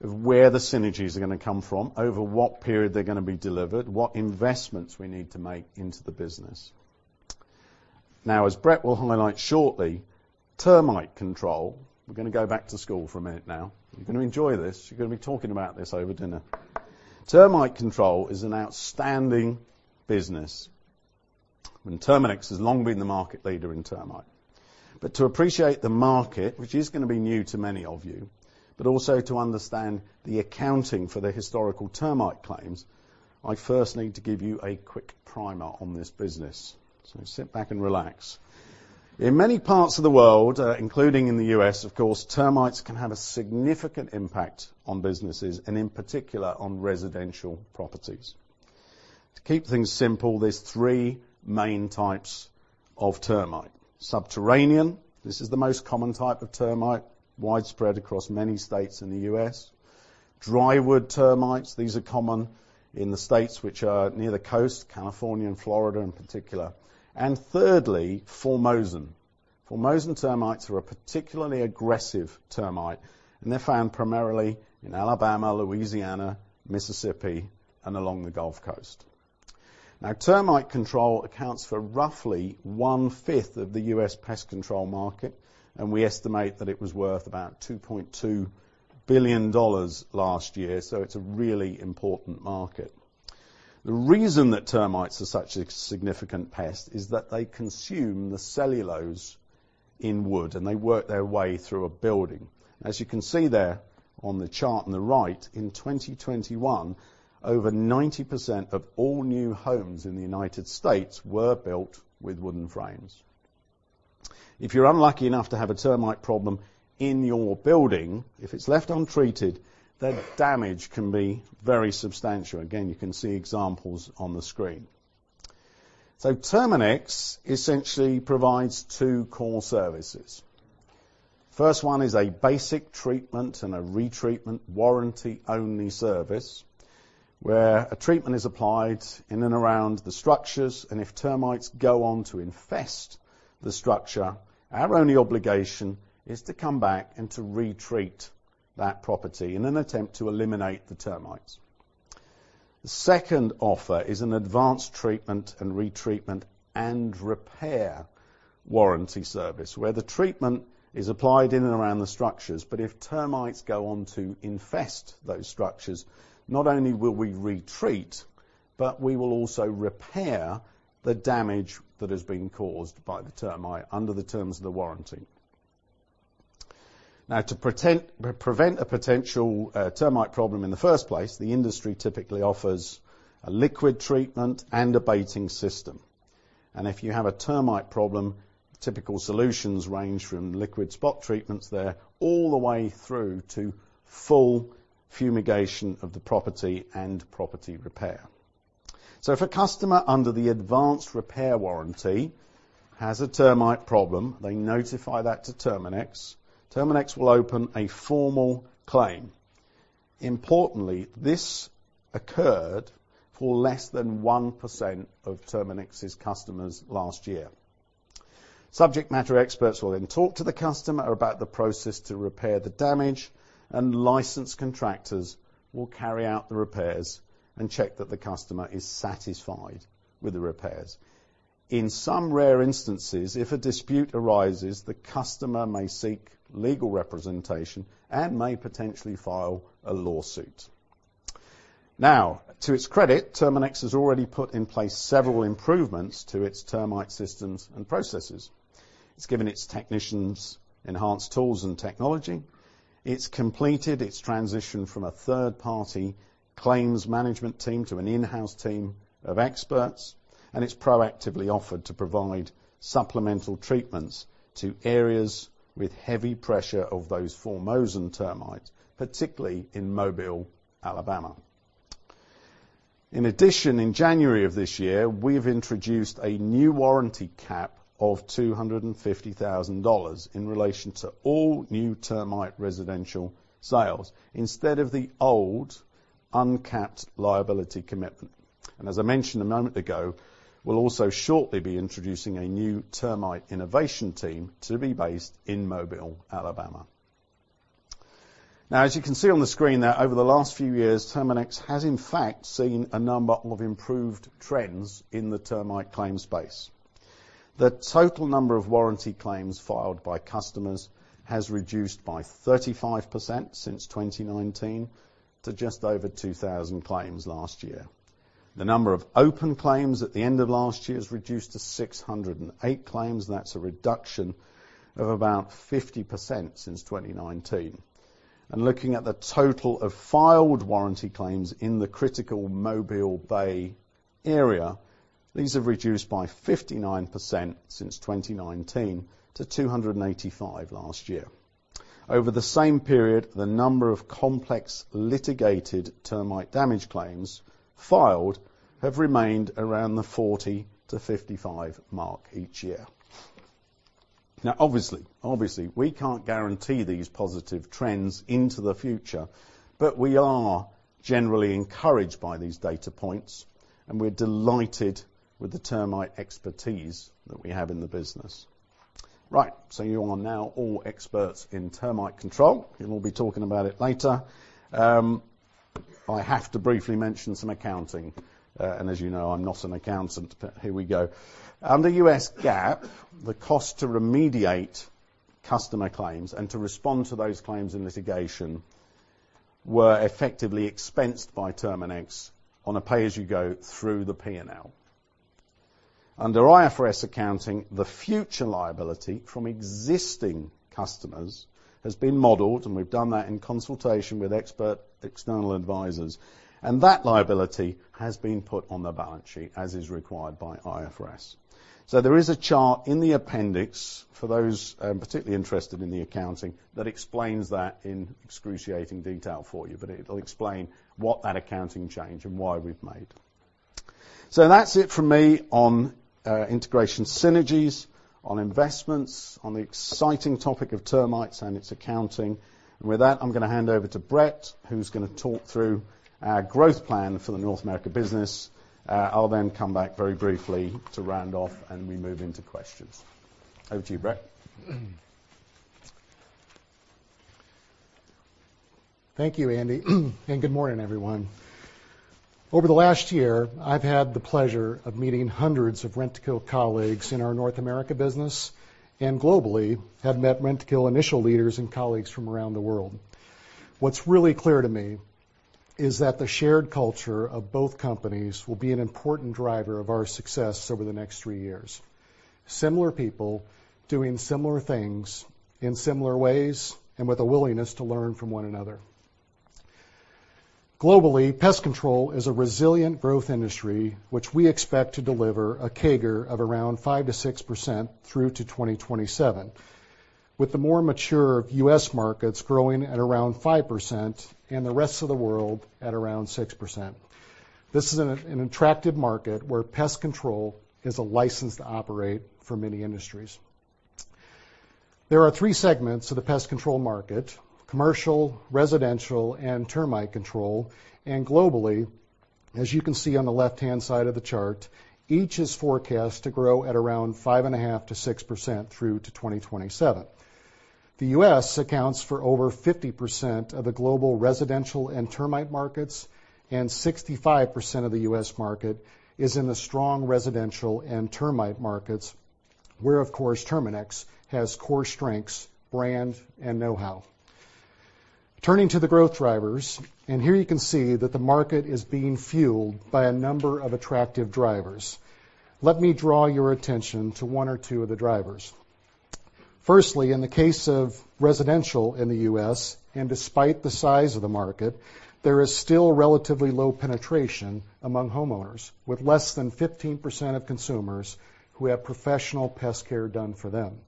where the synergies are gonna come from, over what period they're gonna be delivered, what investments we need to make into the business. As Brett will highlight shortly, termite control. We're gonna go back to school for a minute now. You're gonna enjoy this. You're gonna be talking about this over dinner. Termite control is an outstanding business, and Terminix has long been the market leader in termite. To appreciate the market, which is gonna be new to many of you, but also to understand the accounting for the historical termite claims, I first need to give you a quick primer on this business, so sit back and relax. In many parts of the world, including in the U.S., of course, termites can have a significant impact on businesses, and in particular on residential properties. To keep things simple, there's three main types of termite. Subterranean, this is the most common type of termite, widespread across many states in the U.S. Drywood termites, these are common in the states which are near the coast, California and Florida in particular. Thirdly, Formosan. Formosan termites are a particularly aggressive termite, and they're found primarily in Alabama, Louisiana, Mississippi, and along the Gulf Coast. Termite control accounts for roughly one-fifth of the U.S. pest control market, and we estimate that it was worth about $2.2 billion last year, so it's a really important market. The reason that termites are such a significant pest is that they consume the cellulose in wood, and they work their way through a building. As you can see there on the chart on the right, in 2021, over 90% of all new homes in the United States were built with wooden frames. If you're unlucky enough to have a termite problem in your building, if it's left untreated, the damage can be very substantial. Again, you can see examples on the screen. Terminix essentially provides 2 core services. First one is a basic treatment and a retreatment warranty-only service, where a treatment is applied in and around the structures. If termites go on to infest the structure, our only obligation is to come back and to retreat that property in an attempt to eliminate the termites. The second offer is an advanced treatment and retreatment and repair warranty service, where the treatment is applied in and around the structures. If termites go on to infest those structures, not only will we retreat, but we will also repair the damage that has been caused by the termite under the terms of the warranty. To prevent a potential termite problem in the first place, the industry typically offers a liquid treatment and a baiting system. If you have a termite problem, typical solutions range from liquid spot treatments there all the way through to full fumigation of the property and property repair. If a customer under the advanced repair warranty has a termite problem, they notify that to Terminix. Terminix will open a formal claim. Importantly, this occurred for less than 1% of Terminix's customers last year. Subject matter experts will then talk to the customer about the process to repair the damage, and licensed contractors will carry out the repairs and check that the customer is satisfied with the repairs. In some rare instances, if a dispute arises, the customer may seek legal representation and may potentially file a lawsuit. Now, to its credit, Terminix has already put in place several improvements to its termite systems and processes. It's given its technicians enhanced tools and technology. It's completed its transition from a third-party claims management team to an in-house team of experts, and it's proactively offered to provide supplemental treatments to areas with heavy pressure of those Formosan termites, particularly in Mobile, Alabama. In addition, in January of this year, we've introduced a new warranty cap of $250,000 in relation to all new termite residential sales instead of the old uncapped liability commitment. As I mentioned a moment ago, we'll also shortly be introducing a new termite innovation team to be based in Mobile, Alabama. As you can see on the screen there, over the last few years, Terminix has in fact seen a number of improved trends in the termite claim space. The total number of warranty claims filed by customers has reduced by 35% since 2019 to just over 2,000 claims last year. The number of open claims at the end of last year has reduced to 608 claims. That's a reduction of about 50% since 2019. Looking at the total of filed warranty claims in the critical Mobile Bay Area, these have reduced by 59% since 2019 to 285 last year. Over the same period, the number of complex litigated termite damage claims filed have remained around the 40-55 mark each year. Obviously, we can't guarantee these positive trends into the future, but we are generally encouraged by these data points, and we're delighted with the termite expertise that we have in the business. Right. You are now all experts in termite control, and we'll be talking about it later. I have to briefly mention some accounting. As you know, I'm not an accountant, but here we go. Under U.S. GAAP, the cost to remediate customer claims and to respond to those claims in litigation were effectively expensed by Terminix on a pay-as-you-go through the P&L. Under IFRS accounting, the future liability from existing customers has been modeled, and we've done that in consultation with expert external advisors. That liability has been put on the balance sheet as is required by IFRS. There is a chart in the appendix for those particularly interested in the accounting that explains that in excruciating detail for you. It'll explain what that accounting change and why we've made. That's it from me on integration synergies, on investments, on the exciting topic of termites and its accounting. And with that, I'm gonna hand over to Brett, who's gonna talk through our growth plan for the North America business. I'll then come back very briefly to round off, and we move into questions. Over to you, Brett. Good morning, everyone. Over the last year, I've had the pleasure of meeting hundreds of Rentokil colleagues in our North America business and globally have met Rentokil Initial leaders and colleagues from around the world. What's really clear to me is that the shared culture of both companies will be an important driver of our success over the next three years. Similar people doing similar things in similar ways and with a willingness to learn from one another. Globally, pest control is a resilient growth industry which we expect to deliver a CAGR of around 5%-6% through to 2027. With the more mature U.S. markets growing at around 5% and the rest of the world at around 6%. This is an attractive market where pest control is a license to operate for many industries. There are three segments of the pest control market: commercial, residential, and termite control. Globally, as you can see on the left-hand side of the chart, each is forecast to grow at around 5.5%-6% through to 2027. The US accounts for over 50% of the global residential and termite markets, and 65% of the US market is in the strong residential and termite markets, where, of course, Terminix has core strengths, brand, and know-how. Turning to the growth drivers, here you can see that the market is being fueled by a number of attractive drivers. Let me draw your attention to one or two of the drivers. Firstly, in the case of residential in the U.S., despite the size of the market, there is still relatively low penetration among homeowners, with less than 15% of consumers who have professional pest care done for them.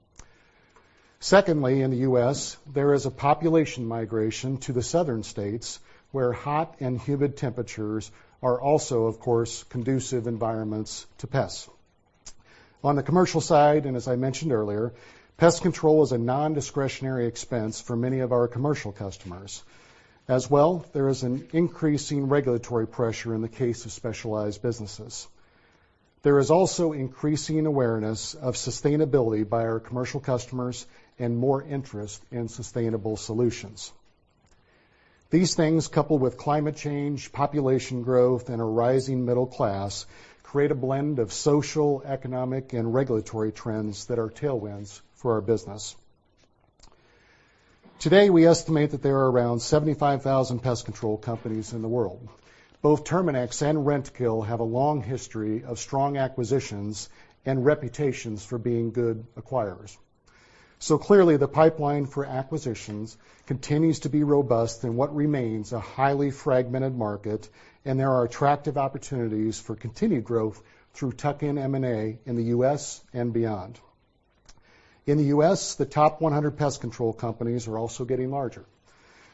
Secondly, in the U.S., there is a population migration to the Southern states, where hot and humid temperatures are also, of course, conducive environments to pests. On the commercial side, as I mentioned earlier, pest control is a nondiscretionary expense for many of our commercial customers. As well, there is an increasing regulatory pressure in the case of specialized businesses. There is also increasing awareness of sustainability by our commercial customers and more interest in sustainable solutions. These things, coupled with climate change, population growth, and a rising middle class, create a blend of social, economic, and regulatory trends that are tailwinds for our business. Today, we estimate that there are around 75,000 pest control companies in the world. Both Terminix and Rentokil have a long history of strong acquisitions and reputations for being good acquirers. Clearly, the pipeline for acquisitions continues to be robust in what remains a highly fragmented market, and there are attractive opportunities for continued growth through tuck-in M&A in the U.S. and beyond. In the U.S., the top 100 pest control companies are also getting larger,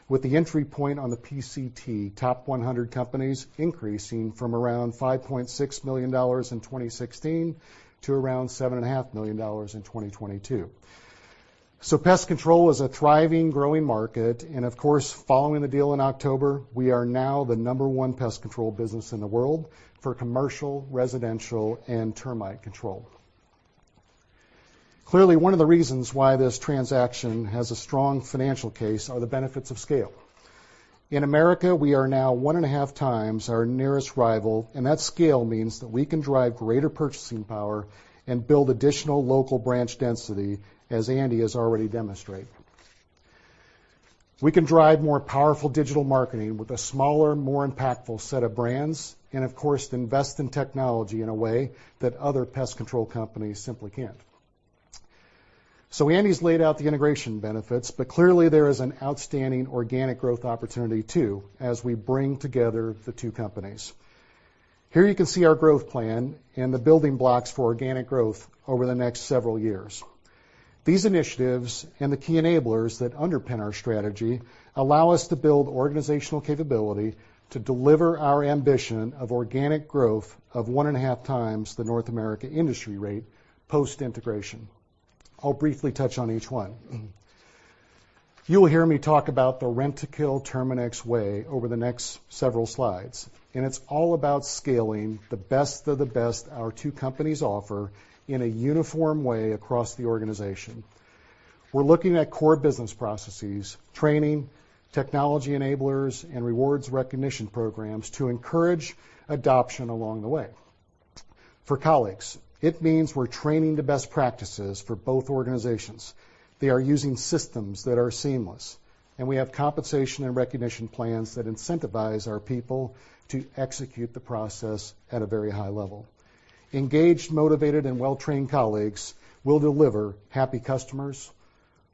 with the entry point on the PCT top 100 companies increasing from around $5.6 million in 2016 to around $7.5 million in 2022. Pest control is a thriving, growing market, and of course, following the deal in October, we are now the number one pest control business in the world for commercial, residential, and termite control. Clearly, one of the reasons why this transaction has a strong financial case are the benefits of scale. In America, we are now 1.5x our nearest rival, and that scale means that we can drive greater purchasing power and build additional local branch density, as Andy has already demonstrated. We can drive more powerful digital marketing with a smaller and more impactful set of brands and, of course, invest in technology in a way that other pest control companies simply can't. Andy's laid out the integration benefits, but clearly, there is an outstanding organic growth opportunity too as we bring together the two companies. Here you can see our growth plan and the building blocks for organic growth over the next several years. These initiatives and the key enablers that underpin our strategy allow us to build organizational capability to deliver our ambition of organic growth of 1.5x the North America industry rate post-integration. I'll briefly touch on each one. You'll hear me talk about The Rentokil Terminix Way over the next several slides. It's all about scaling the best of the best our two companies offer in a uniform way across the organization. We're looking at core business processes, training, technology enablers, and rewards recognition programs to encourage adoption along the way. For colleagues, it means we're training the best practices for both organizations. They are using systems that are seamless. We have compensation and recognition plans that incentivize our people to execute the process at a very high level. Engaged, motivated, and well-trained colleagues will deliver happy customers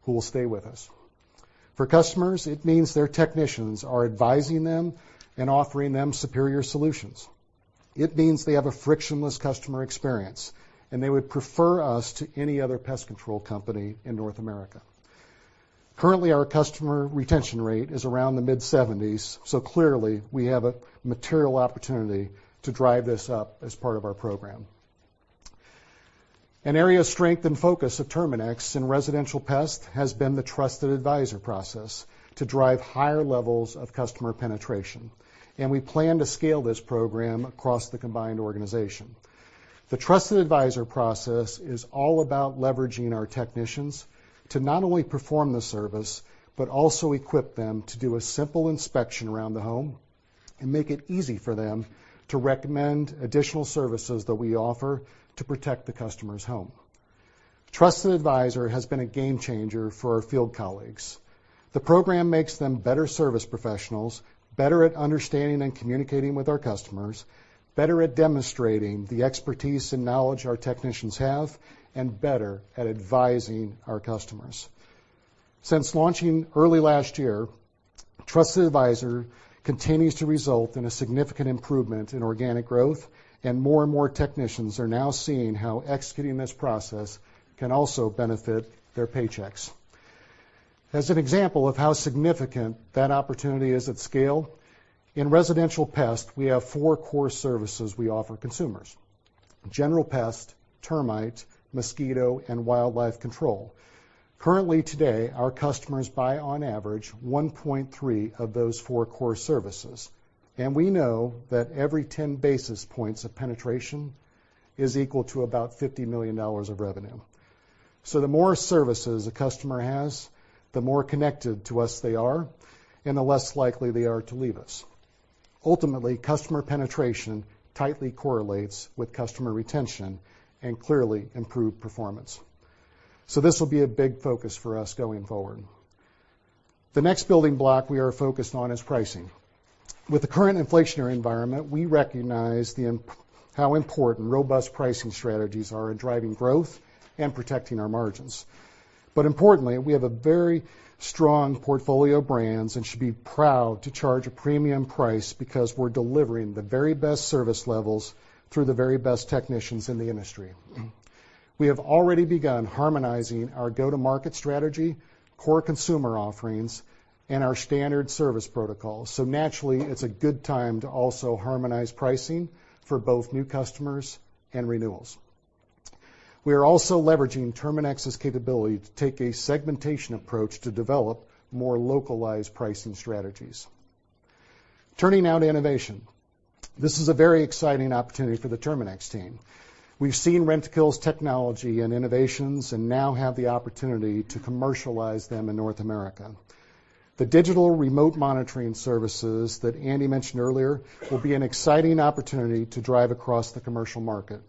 who will stay with us. For customers, it means their technicians are advising them and offering them superior solutions. It means they have a frictionless customer experience. They would prefer us to any other pest control company in North America. Currently, our customer retention rate is around the mid-seventies. Clearly, we have a material opportunity to drive this up as part of our program. An area of strength and focus of Terminix in residential pest has been the Trusted Advisor process to drive higher levels of customer penetration. We plan to scale this program across the combined organization. The Trusted Advisor process is all about leveraging our technicians to not only perform the service but also equip them to do a simple inspection around the home and make it easy for them to recommend additional services that we offer to protect the customer's home. Trusted Advisor has been a game changer for our field colleagues. The program makes them better service professionals, better at understanding and communicating with our customers, better at demonstrating the expertise and knowledge our technicians have, and better at advising our customers. Since launching early last year, Trusted Advisor continues to result in a significant improvement in organic growth, and more and more technicians are now seeing how executing this process can also benefit their paychecks. As an example of how significant that opportunity is at scale, in residential pest, we have four core services we offer consumers: general pest, termite, mosquito, and wildlife control. Currently today, our customers buy on average 1.3 of those four core services. We know that every 10 basis points of penetration is equal to about $50 million of revenue. The more services a customer has, the more connected to us they are, and the less likely they are to leave us. Ultimately, customer penetration tightly correlates with customer retention and clearly improved performance. This will be a big focus for us going forward. The next building block we are focused on is pricing. With the current inflationary environment, we recognize how important robust pricing strategies are in driving growth and protecting our margins. Importantly, we have a very strong portfolio of brands and should be proud to charge a premium price because we're delivering the very best service levels through the very best technicians in the industry. We have already begun harmonizing our go-to-market strategy, core consumer offerings, and our standard service protocols. Naturally, it's a good time to also harmonize pricing for both new customers and renewals. We are also leveraging Terminix's capability to take a segmentation approach to develop more localized pricing strategies. Turning now to innovation. This is a very exciting opportunity for the Terminix team. We've seen Rentokil's technology and innovations and now have the opportunity to commercialize them in North America. The digital remote monitoring services that Andy mentioned earlier will be an exciting opportunity to drive across the commercial market.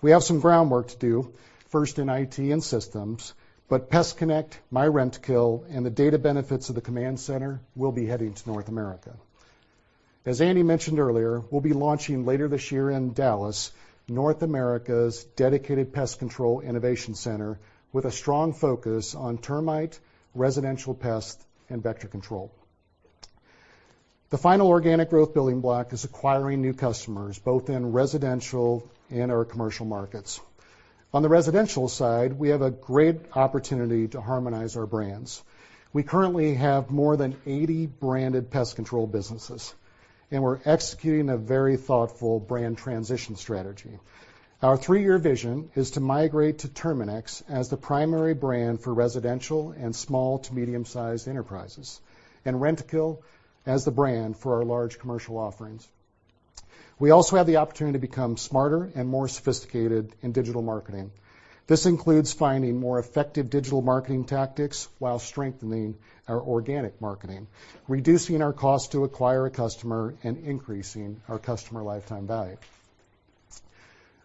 We have some groundwork to do, first in IT and systems, but PestConnect, myRentokil, and the data benefits of the command center will be heading to North America. As Andy mentioned earlier, we'll be launching later this year in Dallas, North America's dedicated pest control innovation center with a strong focus on termite, residential pest, and vector control. The final organic growth building block is acquiring new customers, both in residential and our commercial markets. On the residential side, we have a great opportunity to harmonize our brands. We currently have more than 80 branded pest control businesses, and we're executing a very thoughtful brand transition strategy. Our three-year vision is to migrate to Terminix as the primary brand for residential and small to medium-sized enterprises, and Rentokil as the brand for our large commercial offerings. We also have the opportunity to become smarter and more sophisticated in digital marketing. This includes finding more effective digital marketing tactics while strengthening our organic marketing, reducing our cost to acquire a customer, and increasing our customer lifetime value.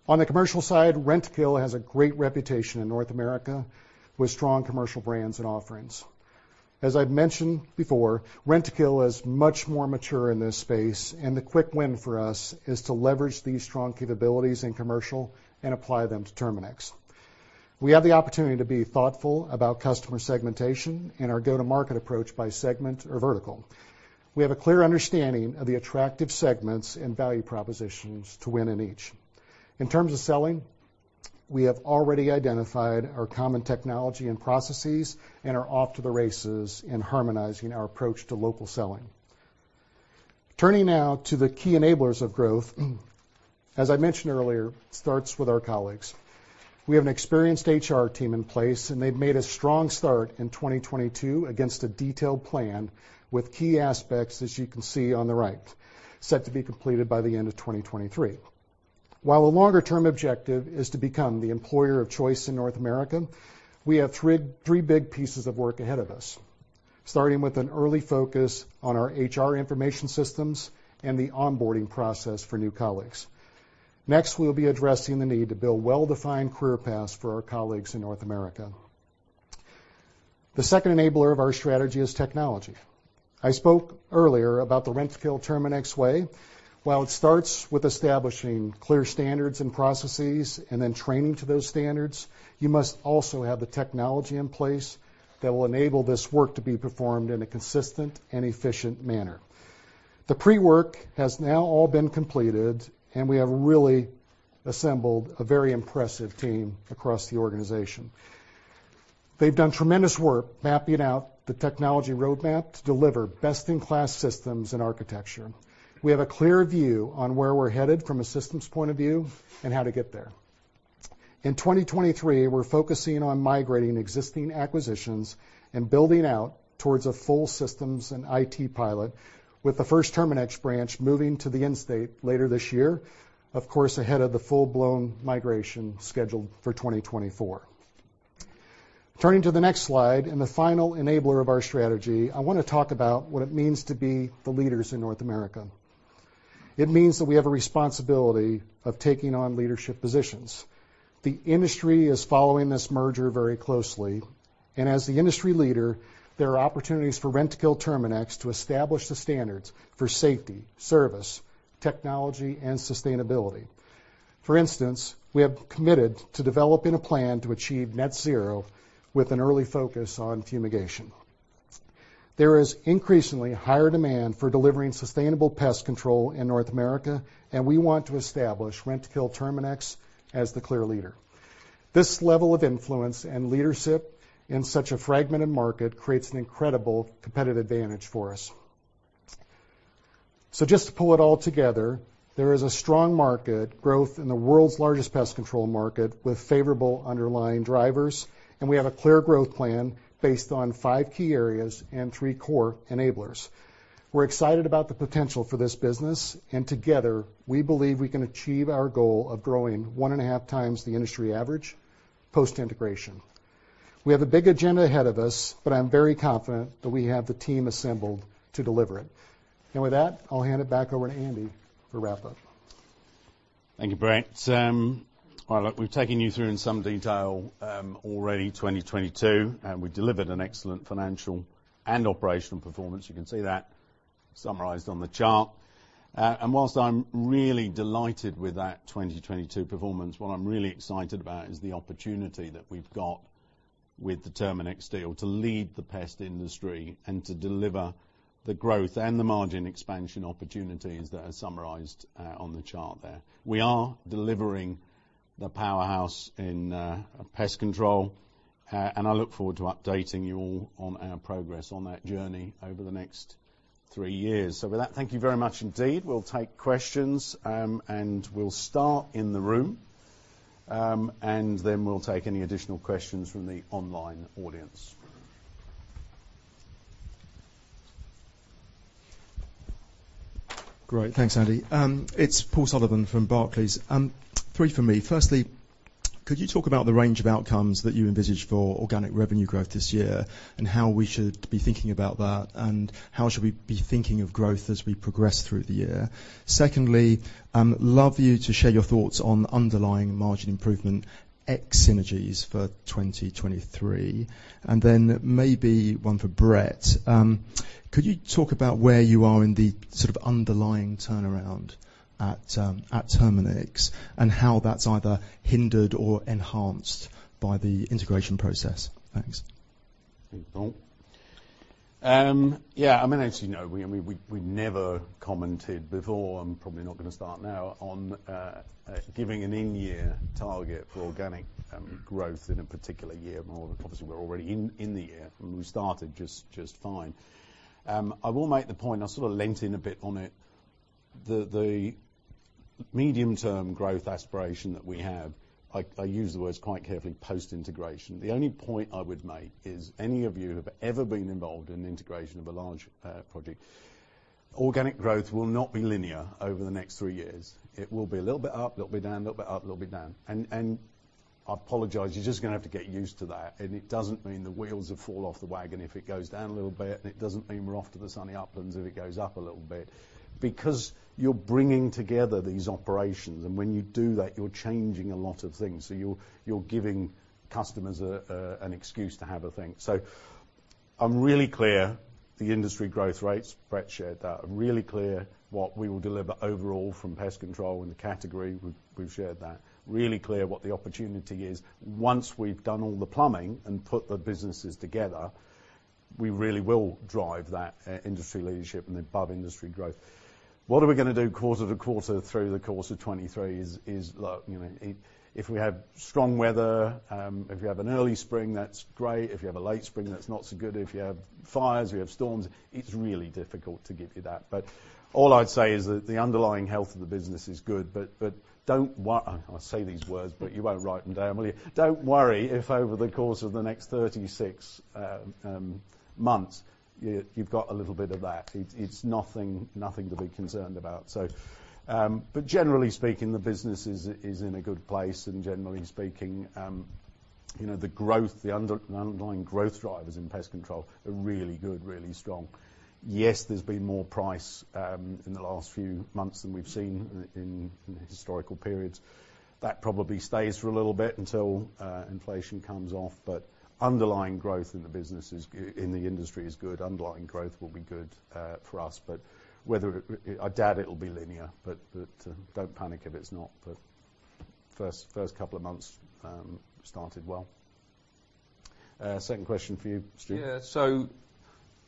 On the commercial side, Rentokil has a great reputation in North America with strong commercial brands and offerings. As I've mentioned before, Rentokil is much more mature in this space, and the quick win for us is to leverage these strong capabilities in commercial and apply them to Terminix. We have the opportunity to be thoughtful about customer segmentation and our go-to-market approach by segment or vertical. We have a clear understanding of the attractive segments and value propositions to win in each. In terms of selling, we have already identified our common technology and processes and are off to the races in harmonizing our approach to local selling. Turning now to the key enablers of growth, as I mentioned earlier, starts with our colleagues. We have an experienced HR team in place, and they've made a strong start in 2022 against a detailed plan with key aspects, as you can see on the right, set to be completed by the end of 2023. While a longer-term objective is to become the employer of choice in North America, we have three big pieces of work ahead of us, starting with an early focus on our HR information systems and the onboarding process for new colleagues. Next, we'll be addressing the need to build well-defined career paths for our colleagues in North America. The second enabler of our strategy is technology. I spoke earlier about The Rentokil Terminix Way. While it starts with establishing clear standards and processes and then training to those standards, you must also have the technology in place that will enable this work to be performed in a consistent and efficient manner. The pre-work has now all been completed, and we have really assembled a very impressive team across the organization. They've done tremendous work mapping out the technology roadmap to deliver best-in-class systems and architecture. We have a clear view on where we're headed from a systems point of view and how to get there. In 2023, we're focusing on migrating existing acquisitions and building out towards a full systems and IT pilot with the first Terminix branch moving to the end state later this year, of course, ahead of the full-blown migration scheduled for 2024. Turning to the next slide and the final enabler of our strategy, I wanna talk about what it means to be the leaders in North America. It means that we have a responsibility of taking on leadership positions. The industry is following this merger very closely. As the industry leader, there are opportunities for Rentokil Terminix to establish the standards for safety, service, technology, and sustainability. For instance, we have committed to developing a plan to achieve net zero with an early focus on fumigation. There is increasingly higher demand for delivering sustainable pest control in North America, and we want to establish Rentokil Terminix as the clear leader. This level of influence and leadership in such a fragmented market creates an incredible competitive advantage for us. Just to pull it all together, there is a strong market growth in the world's largest pest control market with favorable underlying drivers, and we have a clear growth plan based on five key areas and three core enablers. We're excited about the potential for this business, and together, we believe we can achieve our goal of growing 1.5x the industry average post-integration. We have a big agenda ahead of us, but I'm very confident that we have the team assembled to deliver it. With that, I'll hand it back over to Andy for wrap-up. Thank you, Brett. all right. Look, we've taken you through in some detail, already 2022, and we delivered an excellent financial and operational performance. You can see that summarized on the chart. Whilst I'm really delighted with that 2022 performance, what I'm really excited about is the opportunity that we've got with the Terminix deal to lead the pest industry and to deliver the growth and the margin expansion opportunities that are summarized, on the chart there. We are delivering the powerhouse in, pest control, and I look forward to updating you all on our progress on that journey over the next three years. With that, thank you very much indeed. We'll take questions, and we'll start in the room, and then we'll take any additional questions from the online audience. Great. Thanks, Andy. It's Paul Sullivan from Barclays. Three from me. Firstly, could you talk about the range of outcomes that you envisage for organic revenue growth this year, and how we should be thinking about that, and how should we be thinking of growth as we progress through the year? Secondly, love you to share your thoughts on underlying margin improvement ex synergies for 2023. Then maybe one for Brett. Could you talk about where you are in the sort of underlying turnaround at Terminix, and how that's either hindered or enhanced by the integration process? Thanks. Thanks, Paul. Yeah, I mean, as you know, we, I mean, we never commented before, and probably not gonna start now, on giving an in-year target for organic growth in a particular year. More obviously, we're already in the year, and we started just fine. I will make the point, I sort of leaned in a bit on it, the medium-term growth aspiration that we have, I use the words quite carefully post-integration. The only point I would make is any of you who have ever been involved in integration of a large project, organic growth will not be linear over the next three years. It will be a little bit up, little bit down, little bit up, little bit down. I apologize, you're just gonna have to get used to that. It doesn't mean the wheels will fall off the wagon if it goes down a little bit. It doesn't mean we're off to the sunny uplands if it goes up a little bit. You're bringing together these operations. When you do that, you're changing a lot of things. You're giving customers an excuse to have a think. I'm really clear the industry growth rates, Brett shared that. I'm really clear what we will deliver overall from pest control and the category, we've shared that. Really clear what the opportunity is. Once we've done all the plumbing and put the businesses together, we really will drive that industry leadership and above industry growth. What are we gonna do quarter to quarter through the course of 23 is look, you know, if we have strong weather, if you have an early spring, that's great. If you have a late spring, that's not so good. If you have fires, we have storms, it's really difficult to give you that. All I'd say is that the underlying health of the business is good. Don't worry, I say these words, but you won't write them down, will you? Don't worry if over the course of the next 36 months, you've got a little bit of that. It's nothing to be concerned about. Generally speaking, the business is in a good place. Generally speaking, you know, the growth, the underlying growth drivers in pest control are really good, really strong. Yes, there's been more price in the last few months than we've seen in historical periods. That probably stays for a little bit until inflation comes off. Underlying growth in the business is in the industry is good. Underlying growth will be good for us, but whether it, I doubt it'll be linear, but don't panic if it's not. The first couple of months started well. Second question for you, Stuart Yeah.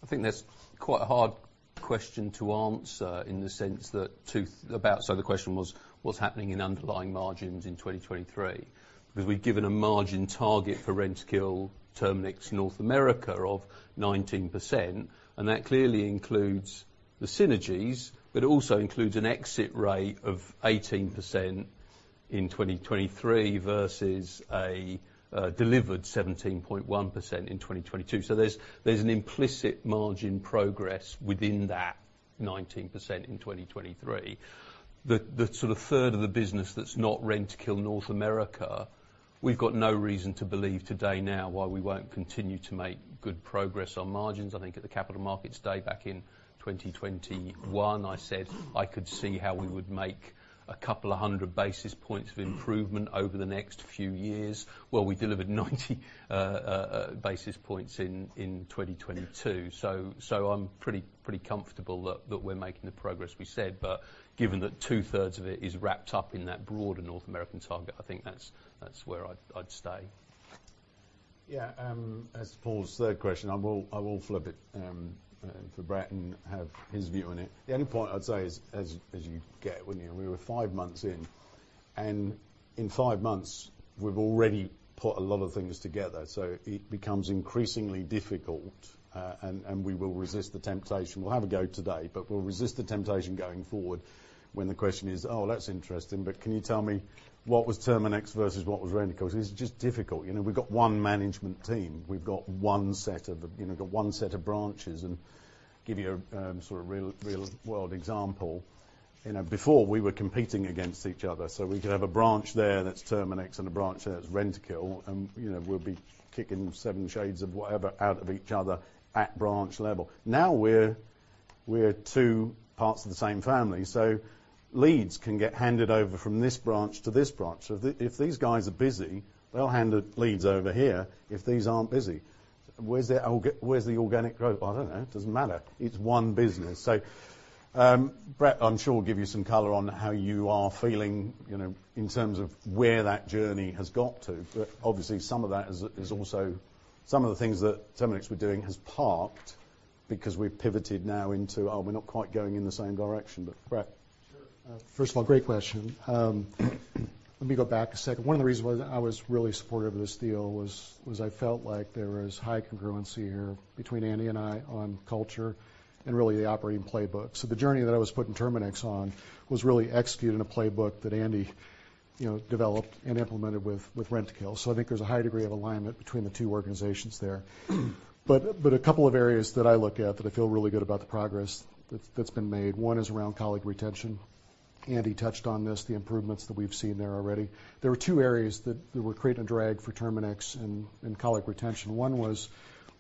I think that's quite a hard question to answer in the sense that the question was, what's happening in underlying margins in 2023? We've given a margin target for Rentokil Terminix North America of 19%, and that clearly includes the synergies, but it also includes an exit rate of 18%. In 2023 versus a delivered 17.1% in 2022. There's an implicit margin progress within that 19% in 2023. The 1/3 of the business that's not Rentokil North America, we've got no reason to believe today now why we won't continue to make good progress on margins. I think at the capital markets day back in 2021, I said I could see how we would make a couple of hundred basis points of improvement over the next few years. Well, we delivered 90 basis points in 2022. I'm pretty comfortable that we're making the progress we said. Given that 2/3 of it is wrapped up in that broader North American target, I think that's where I'd stay. Yeah, as Paul said, question, I will flip it for Brett and have his view on it. The only point I'd say is as you get when we were 5 months in, and in 5 months, we've already put a lot of things together. It becomes increasingly difficult, and we will resist the temptation. We'll have a go today, but we'll resist the temptation going forward when the question is, "Oh, that's interesting, but can you tell me what was Terminix versus what was Rentokil?" It's just difficult. You know, we've got one management team. We've got one set of, you know, one set of branches. Give you a sort of real world example. You know, before we were competing against each other, we could have a branch there that's Terminix and a branch there that's Rentokil, you know, we'll be kicking seven shades of whatever out of each other at branch level. Now we're two parts of the same family, leads can get handed over from this branch to this branch. If these guys are busy, they'll hand the leads over here if these aren't busy. Where's the organic growth? I don't know. It doesn't matter. It's one business. Brett, I'm sure will give you some color on how you are feeling, you know, in terms of where that journey has got to. Obviously some of that is also some of the things that Terminix were doing has parked because we've pivoted now into, we're not quite going in the same direction. Brett, Sure. First of all, great question. Let me go back a second. One of the reasons why I was really supportive of this deal was I felt like there was high congruency here between Andy and I on culture and really the operating playbook. The journey that I was putting Terminix on was really executing a playbook that Andy, you know, developed and implemented with Rentokil. I think there's a high degree of alignment between the two organizations there. A couple of areas that I look at that I feel really good about the progress that's been made. One is around colleague retention. Andy touched on this, the improvements that we've seen there already. There are two areas that were creating a drag for Terminix and colleague retention. One was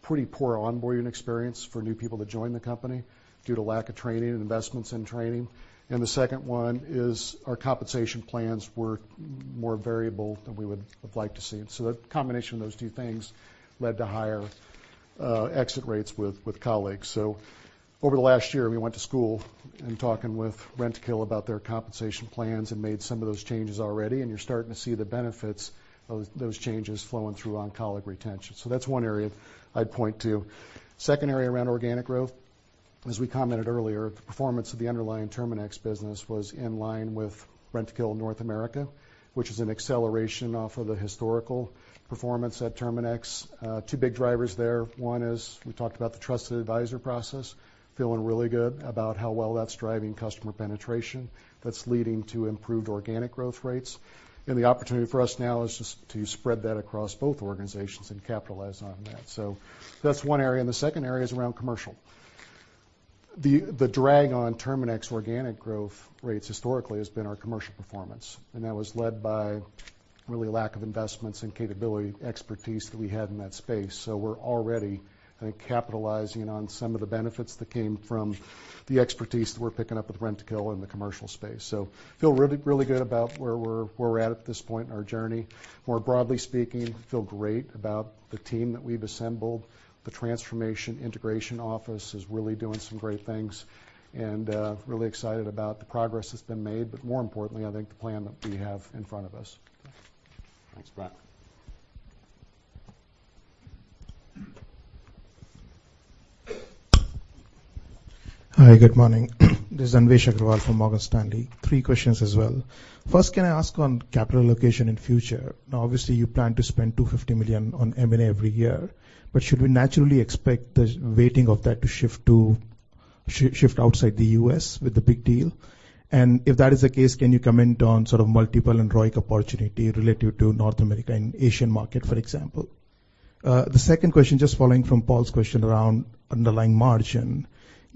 pretty poor onboarding experience for new people to join the company due to lack of training and investments in training. The second one is our compensation plans were more variable than we would have liked to see. The combination of those two things led to higher exit rates with colleagues. Over the last year, we went to school in talking with Rentokil about their compensation plans and made some of those changes already, and you're starting to see the benefits of those changes flowing through on colleague retention. That's one area I'd point to. Second area around organic growth. As we commented earlier, the performance of the underlying Terminix business was in line with Rentokil North America, which is an acceleration off of the historical performance at Terminix. Two big drivers there. One is we talked about the Trusted Advisor process, feeling really, really good about how well that's driving customer penetration that's leading to improved organic growth rates. The opportunity for us now is just to spread that across both organizations and capitalize on that. That's one area, and the second area is around commercial. The drag on Terminix organic growth rates historically has been our commercial performance, and that was led by really lack of investments and capability expertise that we had in that space. We're already, I think, capitalizing on some of the benefits that came from the expertise that we're picking up with Rentokil in the commercial space. Feel really, really good about where we're at this point in our journey. More broadly speaking, feel great about the team that we've assembled. The transformation integration office is really doing some great things, and really excited about the progress that's been made, but more importantly, I think the plan that we have in front of us. Thanks, Brett. Hi, good morning. This is Anvesh Agrawal from Morgan Stanley. Three questions as well. Can I ask on capital allocation in future? Obviously, you plan to spend 250 million on M&A every year. Should we naturally expect the weighting of that to shift outside the U.S. with the big deal? If that is the case, can you comment on sort of multiple and ROIC opportunity related to North America and Asian market, for example? The second question, just following from Paul's question around underlying margin.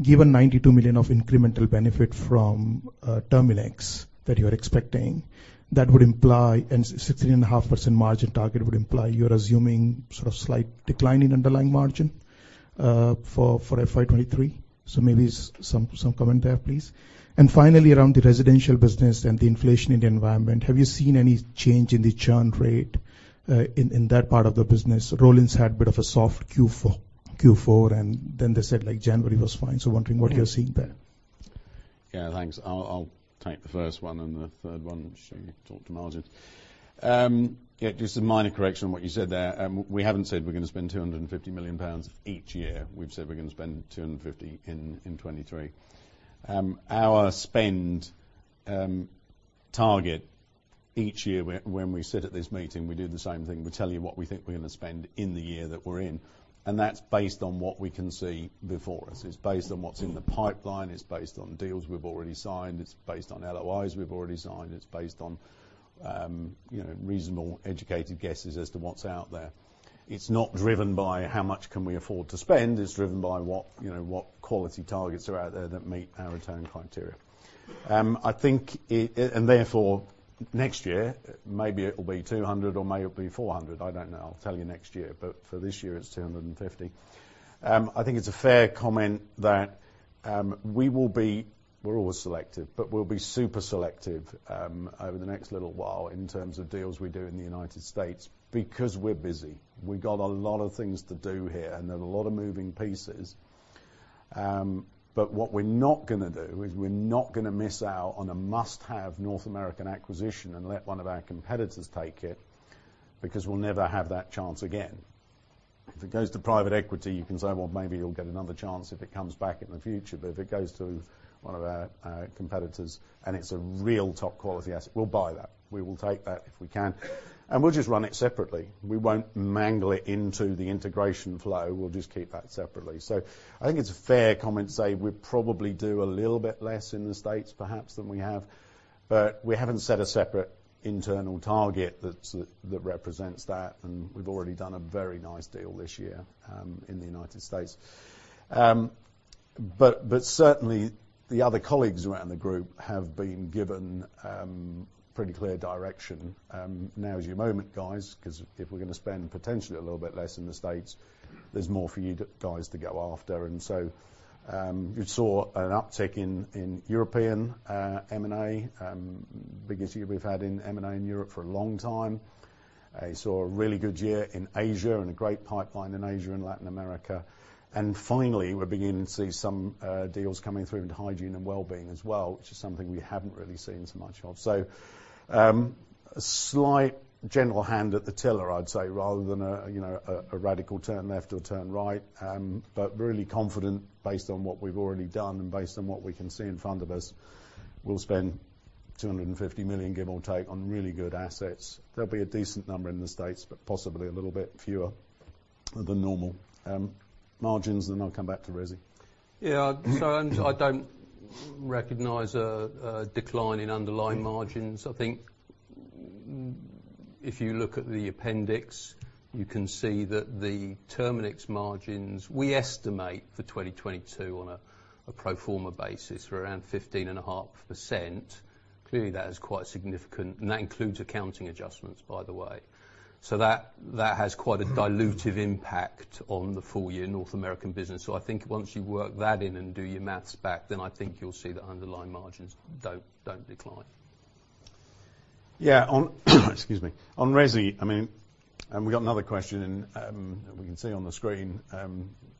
Given 92 million of incremental benefit from Terminix that you are expecting, that would imply, and 16.5% margin target would imply you're assuming sort of slight decline in underlying margin for FY 2023. Maybe some comment there, please. Finally, around the residential business and the inflation in the environment, have you seen any change in the churn rate, in that part of the business? Rollins had a bit of a soft Q4. Then they said, like January was fine. Wondering what you're seeing there. Yeah, thanks. I'll take the first one and the third one, which talk to margin. Yeah, just a minor correction on what you said there. We haven't said we're gonna spend 250 million pounds each year. We've said we're gou some decent It's driven by what, you know, what quality targets are out there that meet our return criteria. I think it and therefore, next year, maybe it'll be 200 or maybe it'll be 400. I don't know. I'll tell you next year, but for this year, it's 250. I think it's a fair comment that we will be. We're always selective, but we'll be super selective over the next little while in terms of deals we do in the United States because we're busy. We got a lot of things to do here and a lot of moving pieces. What we're not gonna do is we're not gonna miss out on a must-have North American acquisition and let one of our competitors take it, because we'll never have that chance again. If it goes to private equity, you can say, "Well, maybe you'll get another chance if it comes back in the future." If it goes to one of our competitors, and it's a real top-quality asset, we'll buy that. We will take that if we can, and we'll just run it separately. We won't mangle it into the integration flow. We'll just keep that separately. I think it's a fair comment to say we probably do a little bit less in the States perhaps than we have, but we haven't set a separate internal target that represents that, and we've already done a very nice deal this year in the United States. Certainly the other colleagues around the group have been given pretty clear direction. Now is your moment, guys, 'cause if we're gonna spend potentially a little bit less in the States, there's more for you guys to go after. You saw an uptick in European M&A, biggest year we've had in M&A in Europe for a long time. I saw a really good year in Asia and a great pipeline in Asia and Latin America. Finally, we're beginning to see some deals coming through into hygiene and wellbeing as well, which is something we haven't really seen so much of. A slight gentle hand at the tiller, I'd say, rather than a, you know, a radical turn left or turn right. Really confident based on what we've already done and based on what we can see in front of us. We'll spend 250 million, give or take, on really good assets. There'll be a decent number in the States, possibly a little bit fewer than normal. margins, I'll come back to resi. I don't recognize a decline in underlying margins. I think if you look at the appendix, you can see that the Terminix margins, we estimate for 2022 on a pro forma basis were around 15.5%. Clearly, that is quite significant, and that includes accounting adjustments, by the way. That has quite a dilutive impact on the full year North American business. I think once you work that in and do your maths back, then I think you'll see that underlying margins don't decline. Yeah. Excuse me. Resi, I mean, we got another question that we can see on the screen,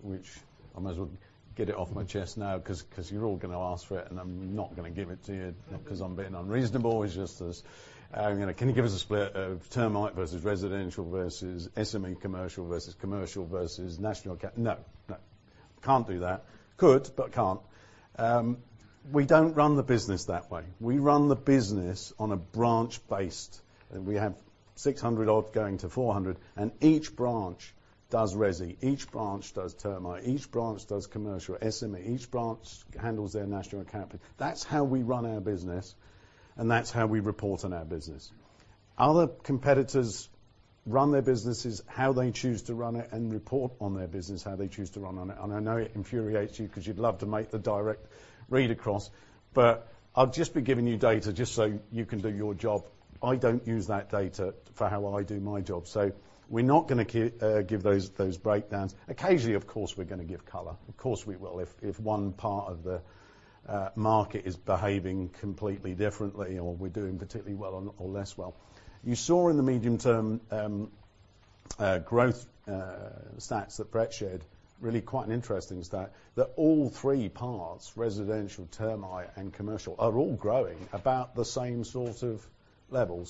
which I might as well get it off my chest now cause you're all gonna ask for it, I'm not gonna give it to you not cause I'm being unreasonable. It's just this, you know, can you give us a split of termite versus residential versus SME commercial versus commercial versus national account? No. Can't do that. Could, can't. We don't run the business that way. We run the business on a branch-based. We have 600 odd going to 400, each branch does resi. Each branch does termite. Each branch does commercial SME. Each branch handles their national account. That's how we run our business, that's how we report on our business. Other competitors run their businesses how they choose to run it and report on their business how they choose to run on it. I know it infuriates you because you'd love to make the direct read across. I'll just be giving you data just so you can do your job. I don't use that data for how I do my job. We're not gonna give those breakdowns. Occasionally, of course, we're gonna give color. Of course, we will if one part of the market is behaving completely differently or we're doing particularly well or less well. You saw in the medium-term growth stats that Brett shared, really quite an interesting stat, that all three parts, residential, termite, and commercial, are all growing about the same sort of level.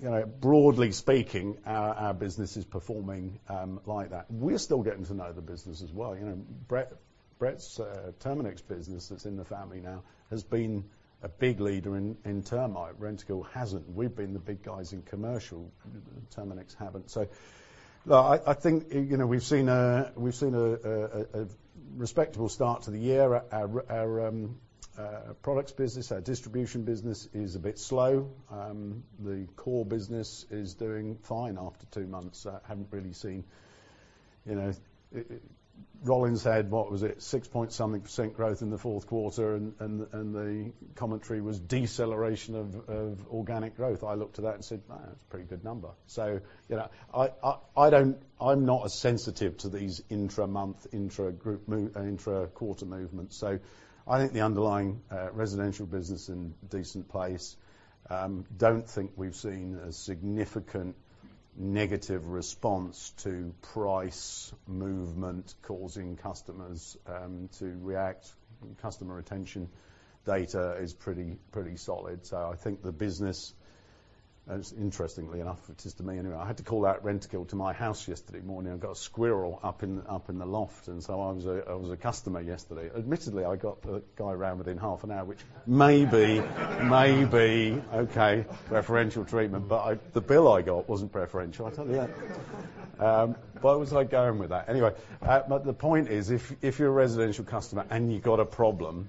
You know, broadly speaking, our business is performing like that. We're still getting to know the business as well. You know, Brett's Terminix business that's in the family now has been a big leader in termite. Rentokil hasn't. We've been the big guys in commercial, and Terminix haven't. Look, I think, you know, we've seen a respectable start to the year. Our products business, our distribution business is a bit slow. The core business is doing fine after 2 months. Haven't really seen, you know. Rollins had, what was it, 6 point something% growth in the fourth quarter, and the commentary was deceleration of organic growth. I looked at that and said, "That's a pretty good number." You know, I don't, I'm not as sensitive to these intra-month, intra-group intra-quarter movements. I think the underlying residential business in a decent place. Don't think we've seen a significant negative response to price movement causing customers to react. Customer retention data is pretty solid. I think the business. Interestingly enough, it is to me anyway, I had to call out Rentokil to my house yesterday morning. I've got a squirrel up in, up in the loft, and so I was a customer yesterday. Admittedly, I got the guy round within half an hour which maybe, okay, preferential treatment. The bill I got wasn't preferential, I'll tell you that. Where was I going with that? The point is, if you're a residential customer and you got a problem,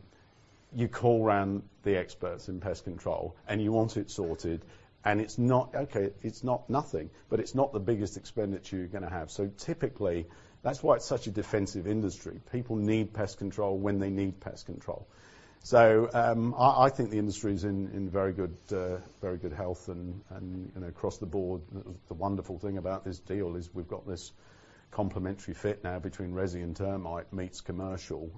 you call round the experts in pest control, and you want it sorted. Okay, it's not nothing, but it's not the biggest expenditure you're gonna have. Typically, that's why it's such a defensive industry. People need pest control when they need pest control. I think the industry's in very good health and, you know, across the board. The wonderful thing about this deal is we've got this complementary fit now between resi and termite meets commercial.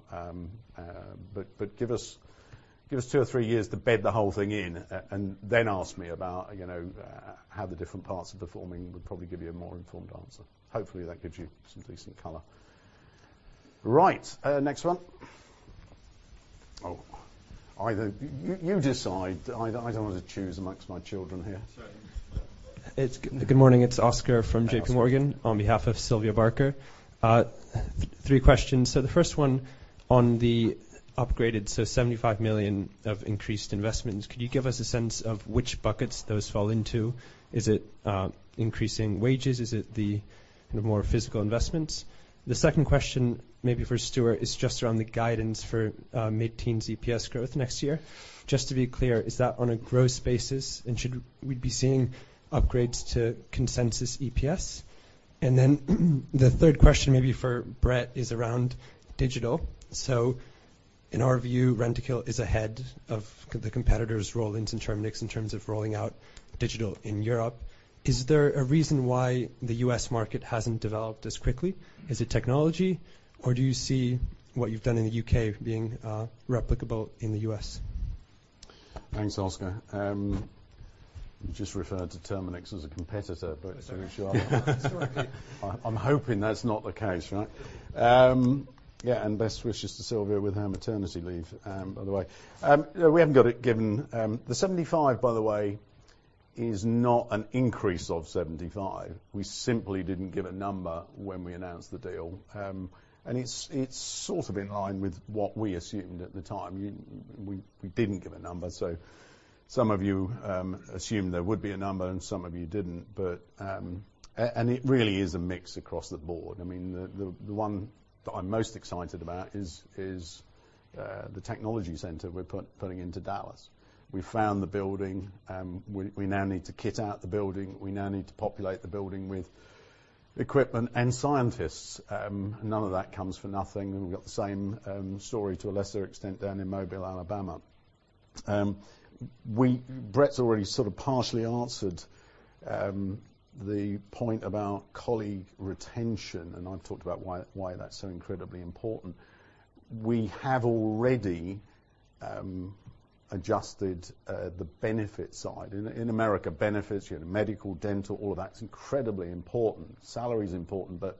Give us two or three years to bed the whole thing in and then ask me about, you know, how the different parts are performing. We'd probably give you a more informed answer. Hopefully, that gives you some decent color. Right. Next one. Either. You decide. I don't wanna choose amongst my children here. Sorry. Good morning. It's Oscar from JPMorgan. Hi, Oscar. On behalf of Sylvia Barker. Three questions. The first one on the upgraded, 75 million of increased investments, could you give us a sense of which buckets those fall into? Is it increasing wages? Is it the more physical investments? The second question, maybe for Stuart, is just around the guidance for mid-teens EPS growth next year. Just to be clear, is that on a gross basis, and should we be seeing upgrades to consensus EPS? The third question, maybe for Brett, is around digital. In our view, Rentokil is ahead of the competitors, Rollins and Terminix, in terms of rolling out digital in Europe. Is there a reason why the U.S. market hasn't developed as quickly? Is it technology, or do you see what you've done in the U.K. being replicable in the U.S.? Thanks, Oscar. you just referred to Terminix as a competitor, but to ensure Sorry. I'm hoping that's not the case, right. Yeah, best wishes to Sylvia with her maternity leave, by the way. We haven't got it given. The 75, by the way, is not an increase of 75. We simply didn't give a number when we announced the deal. It's sort of in line with what we assumed at the time. We didn't give a number, so some of you assumed there would be a number, and some of you didn't. It really is a mix across the board. I mean, the one that I'm most excited about is the technology center we're putting into Dallas. We found the building. We now need to kit out the building. We now need to populate the building with equipment and scientists. None of that comes for nothing, we've got the same story to a lesser extent down in Mobile, Alabama. Brett's already sort of partially answered the point about colleague retention, and I've talked about why that's so incredibly important. We have already adjusted the benefit side. In America, benefits, you know, medical, dental, all of that's incredibly important. Salary's important, but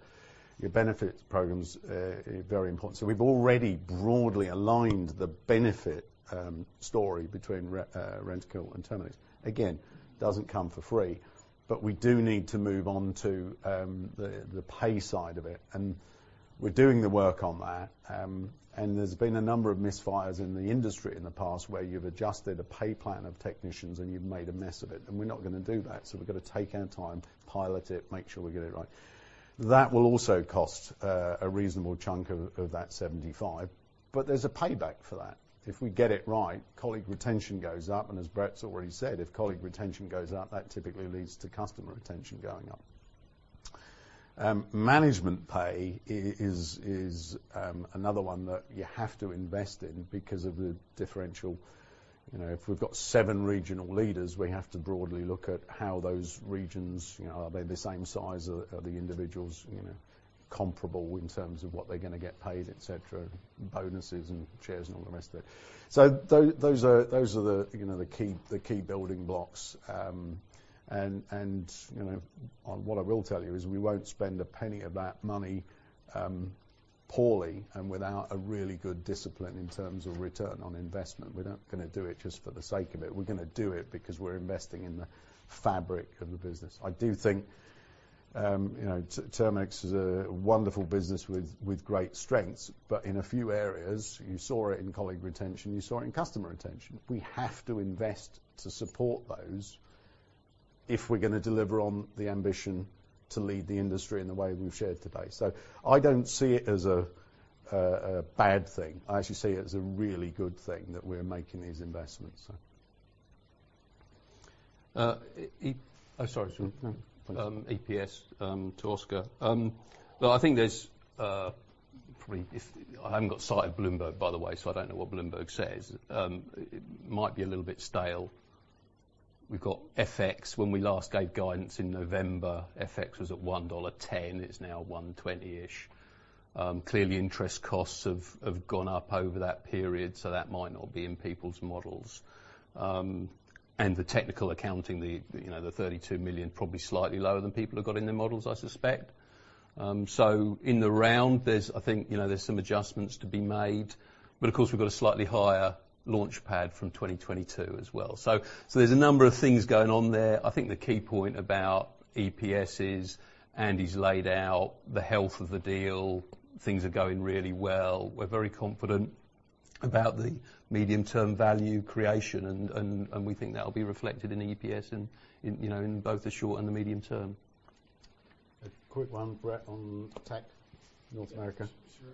your benefits program's very important. We've already broadly aligned the benefit story between Rentokil and Terminix. Again, doesn't come for free. We do need to move on to the pay side of it, and we're doing the work on that. There's been a number of misfires in the industry in the past where you've adjusted a pay plan of technicians, and you've made a mess of it, and we're not gonna do that. We've gotta take our time, pilot it, make sure we get it right. That will also cost a reasonable chunk of that 75, but there's a payback for that. If we get it right, colleague retention goes up, and as Brett's already said, if colleague retention goes up, that typically leads to customer retention going up. You know, management pay is another one that you have to invest in because of the differential. You know, if we've got 7 regional leaders, we have to broadly look at how those regions, you know, are they the same size? Are the individuals, you know, comparable in terms of what they're gonna get paid, et cetera, bonuses and shares and all the rest of it. Those are the, you know, the key building blocks. And, you know, what I will tell you is we won't spend a penny of that money poorly and without a really good discipline in terms of return on investment. We're not gonna do it just for the sake of it. We're gonna do it because we're investing in the fabric of the business. I do think, you know, Terminix is a wonderful business with great strengths. In a few areas, you saw it in colleague retention, you saw it in customer retention, we have to invest to support those if we're gonna deliver on the ambition to lead the industry in the way we've shared today. I don't see it as a bad thing. I actually see it as a really good thing that we're making these investments. E- Oh, sorry. No, no. EPS to Oscar. No, I think there's probably I haven't got sight of Bloomberg, by the way, so I don't know what Bloomberg says. It might be a little bit stale. We've got FX. When we last gave guidance in November, FX was at $1.10. It's now $1.20-ish. Clearly interest costs have gone up over that period, so that might not be in people's models. The technical accounting, the, you know, the $32 million, probably slightly lower than people have got in their models, I suspect. In the round, there's, I think, you know, there's some adjustments to be made. Of course we've got a slightly higher Launchpad from 2022 as well. There's a number of things going on there. I think the key point about EPS is, Andy's laid out the health of the deal. Things are going really well. We're very confident about the medium-term value creation, and we think that'll be reflected in the EPS in, you know, in both the short and the medium term. A quick one, Brett, on tech North America. Sure.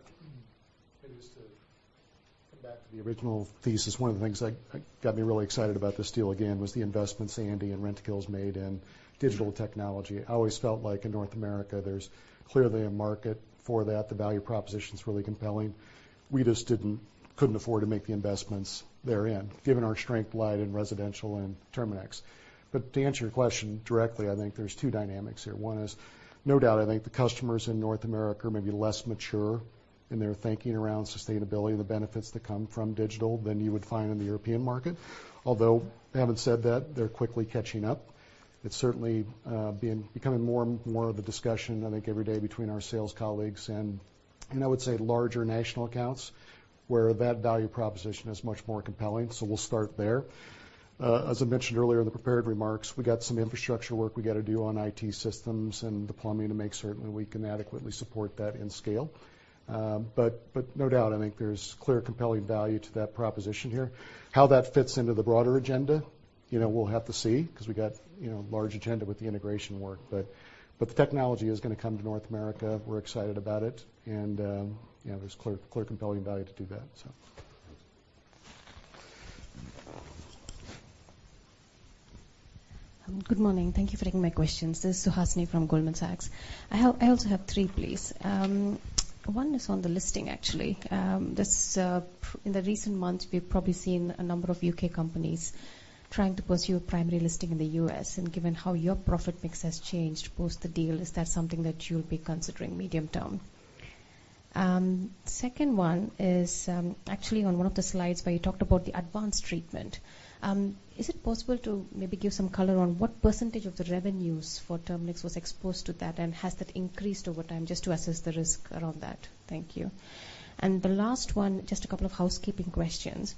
Maybe just to come back to the original thesis, one of the things that got me really excited about this deal again was the investments Andy and Rentokil's made in digital technology. I always felt like in North America, there's clearly a market for that. The value proposition's really compelling. We just couldn't afford to make the investments therein, given our strength lied in residential and Terminix. To answer your question directly, I think there's 2 dynamics here. One is, no doubt, I think the customers in North America are maybe less mature in their thinking around sustainability and the benefits that come from digital than you would find in the European market. Having said that, they're quickly catching up. It's certainly being becoming more of the discussion, I think, every day between our sales colleagues and I would say larger national accounts, where that value proposition is much more compelling. So we'll start there. As I mentioned earlier in the prepared remarks, we got some infrastructure work we gotta do on IT systems and the plumbing to make certain we can adequately support that in scale. No doubt, I think there's clear compelling value to that proposition here. How that fits into the broader agenda, you know, we'll have to see, because we got, you know, large agenda with the integration work. The technology is gonna come to North America. We're excited about it, and you know, there's clear compelling value to do that, so. Good morning. Thank you for taking my questions. This is Suhasini from Goldman Sachs. I also have three, please. One is on the listing, actually. This, in the recent months, we've probably seen a number of U.K. companies trying to pursue a primary listing in the U.S., and given how your profit mix has changed post the deal, is that something that you'll be considering medium term? Second one is, actually on one of the slides where you talked about the advanced treatment. Is it possible to maybe give some color on what % of the revenues for Terminix was exposed to that, and has that increased over time, just to assess the risk around that? Thank you. The last one, just a couple of housekeeping questions.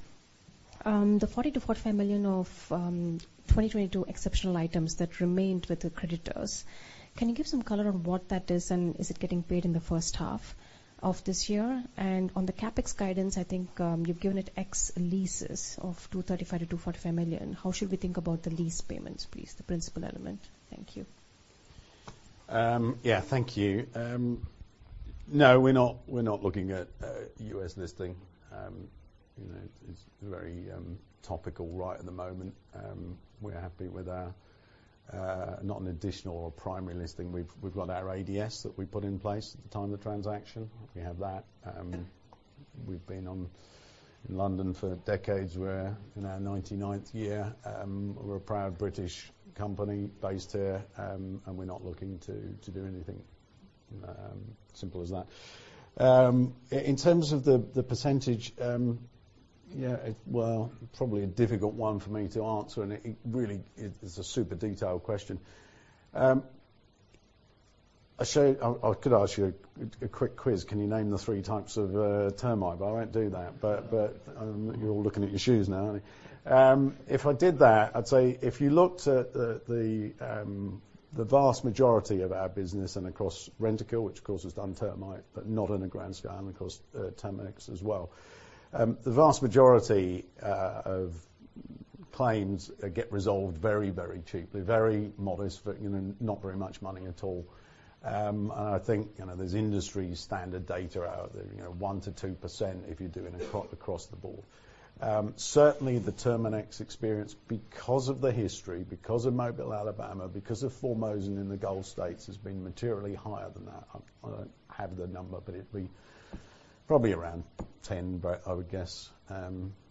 The 40 million-45 million of 2022 exceptional items that remained with the creditors, can you give some color on what that is, and is it getting paid in the first half of this year? On the CapEx guidance, you've given it ex leases of 235 million-245 million. How should we think about the lease payments, please? The principal element. Thank you. Yeah. Thank you. No, we're not looking at a U.S. listing. You know, it's very topical right at the moment. We're happy with our not an additional or primary listing. We've got our ADS that we put in place at the time of the transaction. We have that. We've been in London for decades. We're in our 99th year. We're a proud British company based here, we're not looking to do anything. Simple as that. In terms of the percentage, yeah, it, well, probably a difficult one for me to answer, it really is a super detailed question. I could ask you a quick quiz. Can you name the three types of termite? I won't do that. You're all looking at your shoes now, aren't you? If I did that, I'd say if you looked at the vast majority of our business and across Rentokil, which of course has done termite, but not on a grand scale, and of course, Terminix as well. The vast majority of claims get resolved very, very cheaply, very modest for, you know, not very much money at all. And I think, you know, there's industry standard data out there, you know, 1%-2% if you're doing it across the board. Certainly the Terminix experience because of the history, because of Mobile, Alabama, because of Formosan in the Gulf States has been materially higher than that. I don't have the number, but it'd be probably around 10, I would guess,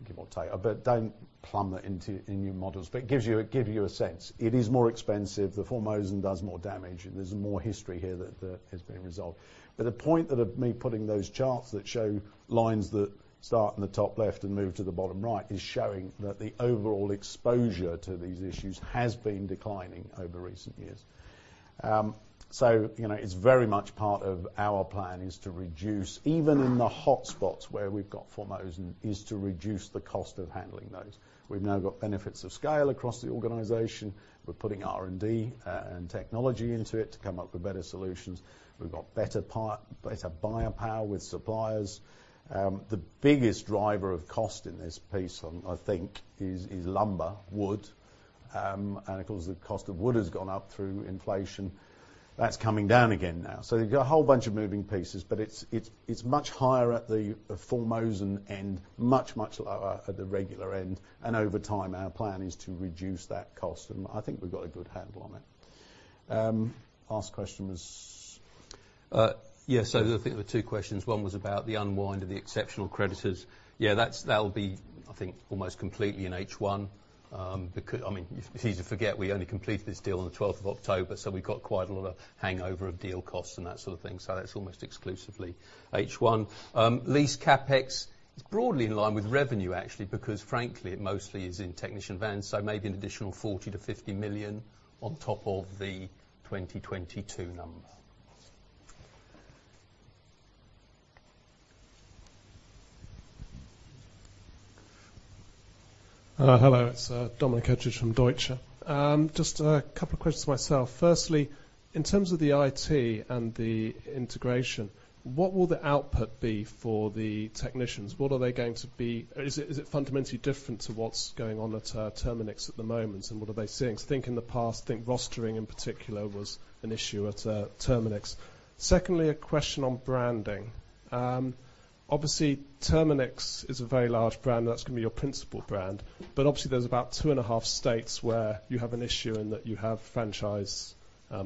give or take. Don't plumb that into, in your models. It gives you, it gives you a sense. It is more expensive. The Formosan does more damage. There's more history here that is being resolved. The point of me putting those charts that show lines that start in the top left and move to the bottom right is showing that the overall exposure to these issues has been declining over recent years. You know, it's very much part of our plan is to reduce, even in the hotspots where we've got Formosan, is to reduce the cost of handling those. We've now got benefits of scale across the organization. We're putting R&D and technology into it to come up with better solutions. We've got better buyer power with suppliers. The biggest driver of cost in this piece, I think is lumber, wood. Of course, the cost of wood has gone up through inflation. That's coming down again now. You've got a whole bunch of moving pieces, but it's, it's much higher at the Formosan end, much, much lower at the regular end. Over time, our plan is to reduce that cost, and I think we've got a good handle on it. Last question was? Yeah. I think there were two questions. One was about the unwind of the exceptional creditors. Yeah, that's, that'll be, I think, almost completely in H1. I mean, it's easy to forget we only completed this deal on the 12th of October, so we've got quite a lot of hangover of deal costs and that sort of thing. That's almost exclusively H1. Lease CapEx is broadly in line with revenue actually, because frankly, it mostly is in technician vans, so maybe an additional 40-50 million on top of the 2022 number. Hello. It's Dominic Edge from Deutsche. Just a couple of questions myself. Firstly, in terms of the IT and the integration, what will the output be for the technicians? What are they going to be? Is it fundamentally different to what's going on at Terminix at the moment, and what are they seeing? I think in the past, I think rostering, in particular, was an issue at Terminix. Secondly, a question on branding. Obviously Terminix is a very large brand, and that's gonna be your principal brand. Obviously there's bout 2.5x states where you have an issue in that you have franchise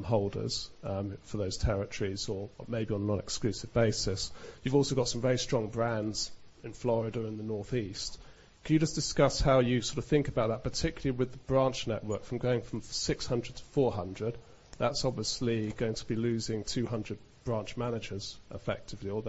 holders for those territories or maybe on a non-exclusive basis. You've also got some very strong brands in Florida and the Northeast. Can you just discuss how you sort of think about that, particularly with the branch network from going from 600 to 400? That's obviously going to be losing 200 branch managers effectively, or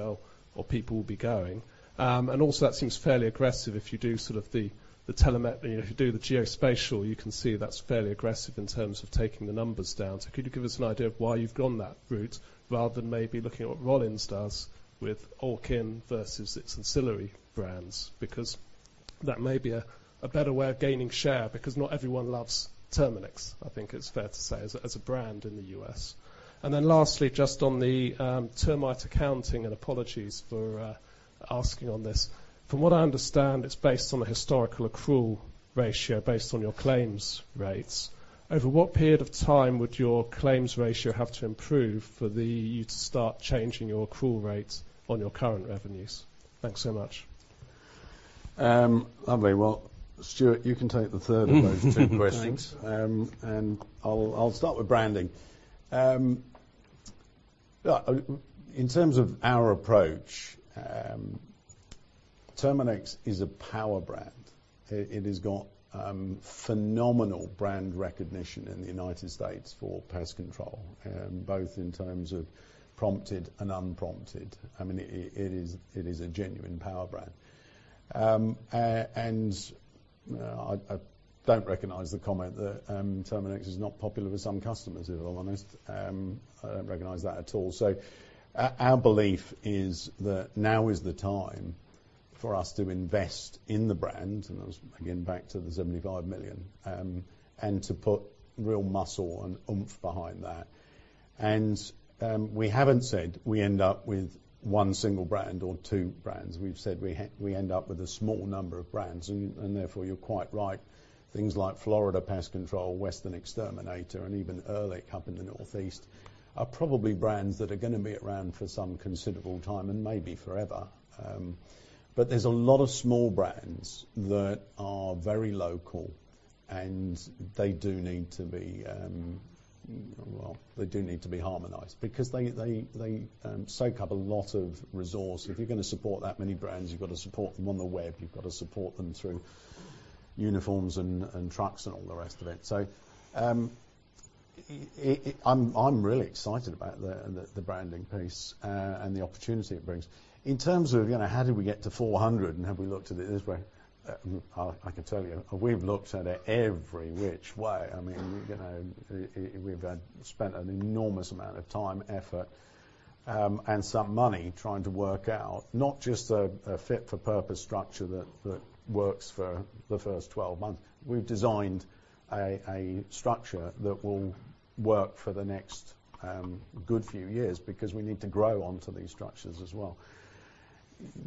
people will be going. Also that seems fairly aggressive if you do sort of the geospatial, you can see that's fairly aggressive in terms of taking the numbers down. Could you give us an idea of why you've gone that route rather than maybe looking at what Rollins does with Orkin versus its ancillary brands? Because that may be a better way of gaining share because not everyone loves Terminix, I think it's fair to say, as a, as a brand in the US. Lastly, just on the termite accounting, and apologies for asking on this. From what I understand, it's based on a historical accrual ratio based on your claims rates. Over what period of time would your claims ratio have to improve for you to start changing your accrual rates on your current revenues? Thanks so much. Lovely. Well, Stuart, you can take the third of those two questions. I'll start with branding. In terms of our approach, Terminix is a power brand. It has got phenomenal brand recognition in the United States for pest control, both in terms of prompted and unprompted. I mean it is, it is a genuine power brand. I don't recognize the comment that Terminix is not popular with some customers, if I'm honest. I don't recognize that at all. Our belief is that now is the time for us to invest in the brand, and that's, again, back to the 75 million, and to put real muscle and oomph behind that. We haven't said we end up with one single brand or two brands. We've said we end up with a small number of brands and therefore you're quite right. Things like Florida Pest Control, Western Exterminator, and even Ehrlich up in the Northeast are probably brands that are gonna be around for some considerable time and maybe forever. There's a lot of small brands that are very local, and they do need to be, well, they do need to be harmonized because they soak up a lot of resource. If you're gonna support that many brands, you've got to support them on the web, you've got to support them through uniforms and trucks and all the rest of it. I'm really excited about the branding piece and the opportunity it brings. In terms of, you know, how did we get to 400 and have we looked at it this way? I can tell you, we've looked at it every which way. I mean, you know, we've had spent an enormous amount of time, effort, and some money trying to work out not just a fit for purpose structure that works for the first 12 months. We've designed a structure that will work for the next good few years because we need to grow onto these structures as well.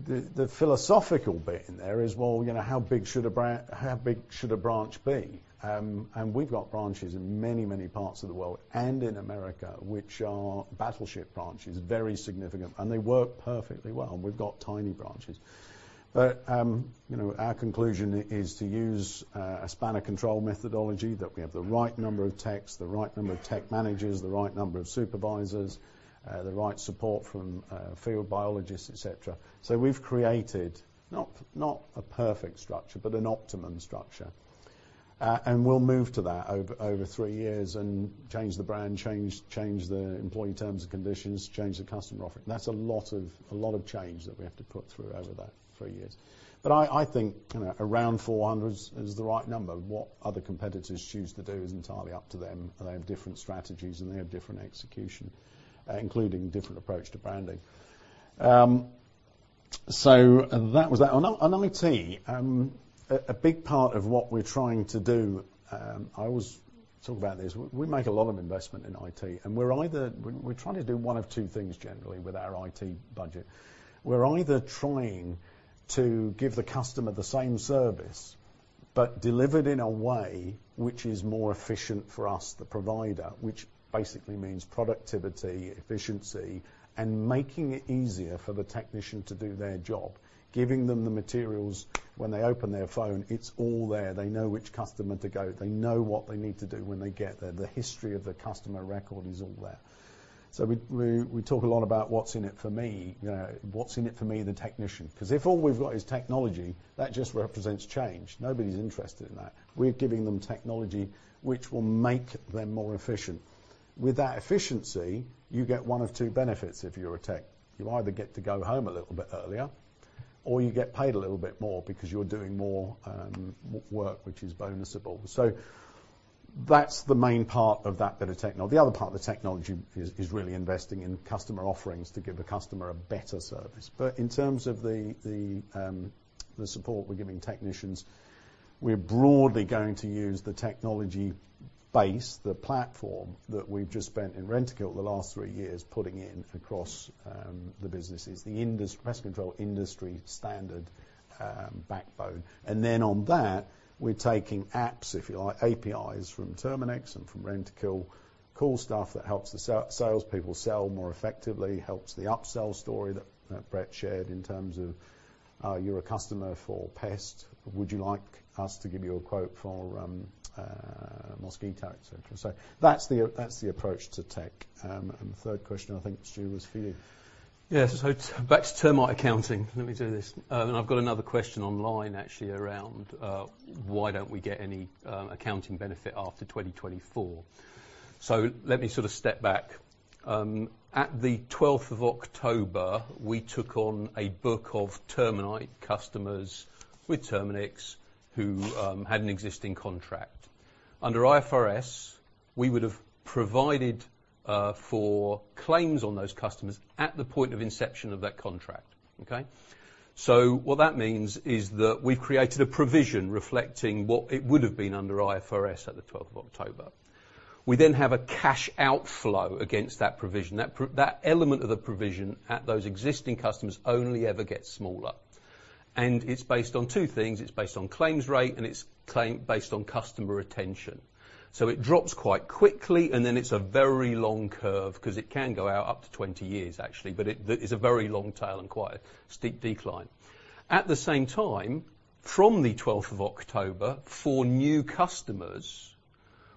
The, the philosophical bit in there is, well, you know, how big should a branch be? We've got branches in many, many parts of the world and in America, which are battleship branches, very significant, and they work perfectly well. We've got tiny branches. You know, our conclusion is to use a spanner control methodology that we have the right number of techs, the right number of tech managers, the right number of supervisors, the right support from field biologists, et cetera. We've created not a perfect structure, but an optimum structure. We'll move to that over three years and change the brand, change the employee terms and conditions, change the customer offering. That's a lot of change that we have to put through over that three years. I think, you know, around 400 is the right number. What other competitors choose to do is entirely up to them. They have different strategies, and they have different execution, including different approach to branding. That was that. On IT, a big part of what we're trying to do, I always talk about this. We make a lot of investment in IT, we're either trying to do one of two things generally with our IT budget. We're either trying to give the customer the same service, but delivered in a way which is more efficient for us, the provider, which basically means productivity, efficiency, and making it easier for the technician to do their job, giving them the materials when they open their phone, it's all there. They know which customer to go. They know what they need to do when they get there. The history of the customer record is all there. We talk a lot about what's in it for me. You know, what's in it for me, the technician? If all we've got is technology, that just represents change. Nobody's interested in that. We're giving them technology which will make them more efficient. With that efficiency, you get one of two benefits if you're a tech. You either get to go home a little bit earlier, or you get paid a little bit more because you're doing more work, which is bonusable. That's the main part of that bit of technology. The other part of the technology is really investing in customer offerings to give the customer a better service. In terms of the support we're giving technicians, we're broadly going to use the technology base, the platform that we've just spent in Rentokil the last three years putting in across the businesses, the pest control industry standard backbone. On that, we're taking apps, if you like, APIs from Terminix and from Rentokil, cool stuff that helps the salespeople sell more effectively, helps the upsell story that Brett shared in terms of, you're a customer for pest. Would you like us to give you a quote for, mosquito, et cetera? That's the, that's the approach to tech. The third question, I think, Stu, was for you. Back to termite accounting. Let me do this. I've got another question online actually around, why don't we get any accounting benefit after 2024? Let me sort of step back. At the 12th of October, we took on a book of termite customers with Terminix who had an existing contract. Under IFRS, we would have provided for claims on those customers at the point of inception of that contract. Okay? What that means is that we created a provision reflecting what it would have been under IFRS at the 12th of October. We then have a cash outflow against that provision. That element of the provision at those existing customers only ever gets smaller. It's based on two things. It's based on claims rate, and it's based on customer retention. It drops quite quickly, and then it's a very long curve 'cause it can go out up to 20 years, actually. That is a very long tail and quite a steep decline. At the same time, from the 12th of October, for new customers,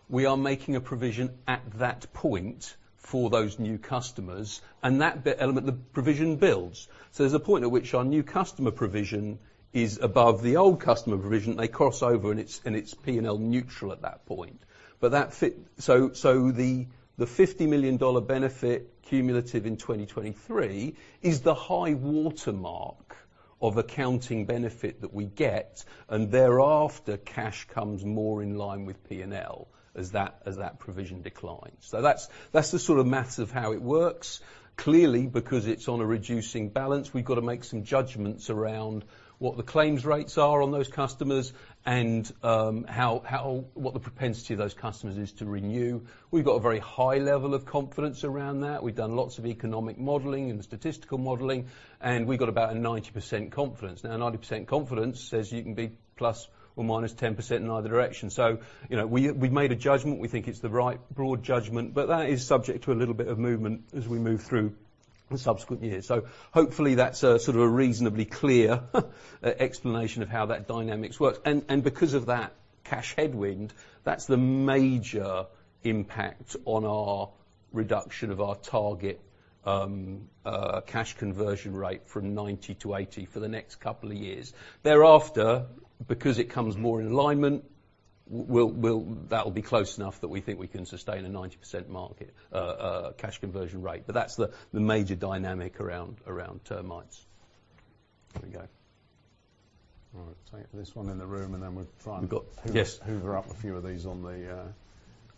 we are making a provision at that point for those new customers, and that element, the provision builds. There's a point at which our new customer provision is above the old customer provision. They cross over, and it's P&L neutral at that point. The $50 million benefit cumulative in 2023 is the high watermark of accounting benefit that we get, and thereafter, cash comes more in line with P&L as that provision declines. That's the sort of math of how it works. Clearly, because it's on a reducing balance, we've got to make some judgments around what the claims rates are on those customers and what the propensity of those customers is to renew. We've got a very high level of confidence around that. We've done lots of economic modeling and statistical modeling, and we've got about a 90% confidence. 90% confidence says you can be plus or minus 10% in either direction. You know, we've made a judgment. We think it's the right broad judgment, but that is subject to a little bit of movement as we move through the subsequent years. Hopefully that's a sort of a reasonably clear explanation of how that dynamics works. Because of that cash headwind, that's the major impact on our reduction of our target, cash conversion rate from 90 to 80 for the next couple of years. Thereafter, because it comes more in alignment, we'll That will be close enough that we think we can sustain a 90% market, cash conversion rate. That's the major dynamic around termites. There we go. All right. Take this one in the room, and then we'll try. We've got. Yes. ...hoover up a few of these on the.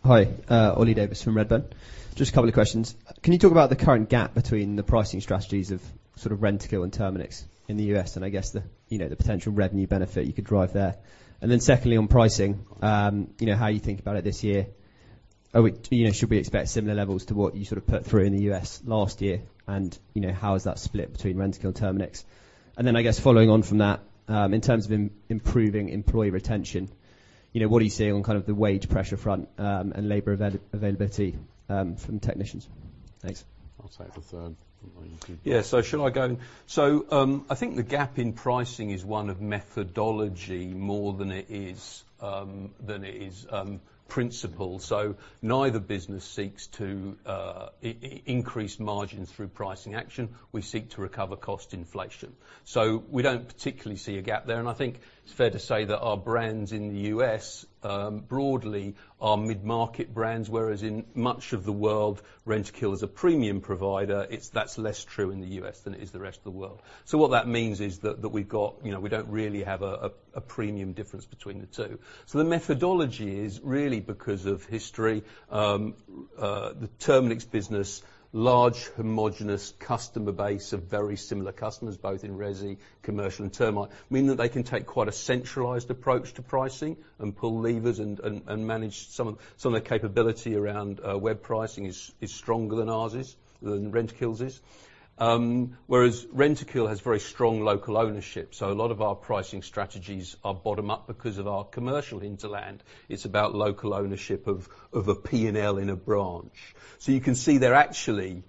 Hi, Oliver Davies from Redburn. Just a couple of questions. Can you talk about the current gap between the pricing strategies of sort of Rentokil and Terminix in the US, and I guess the, you know, the potential revenue benefit you could drive there? Secondly, on pricing, you know, how you think about it this year? We, you know, should we expect similar levels to what you sort of put through in the U.S. last year? You know, how is that split between Rentokil and Terminix? Following on from that, in terms of improving employee retention, you know, what are you seeing on kind of the wage pressure front, and labor availability, from technicians? Thanks. I'll take the third. Yeah. Should I go? I think the gap in pricing is one of methodology more than it is than it is principle. Neither business seeks to increase margins through pricing action. We seek to recover cost inflation. We don't particularly see a gap there. I think it's fair to say that our brands in the U.S. broadly are mid-market brands, whereas in much of the world, Rentokil is a premium provider. That's less true in the U.S. than it is the rest of the world. What that means is that we've got, you know, we don't really have a premium difference between the two. The methodology is really because of history. The Terminix business, large homogenous customer base of very similar customers, both in resi, commercial and termite, mean that they can take quite a centralized approach to pricing and pull levers and manage some of their capability around web pricing is stronger than ours is, than Rentokil's is. Whereas Rentokil has very strong local ownership, so a lot of our pricing strategies are bottom up because of our commercial hinterland. It's about local ownership of a P&L in a branch. You can see they're actually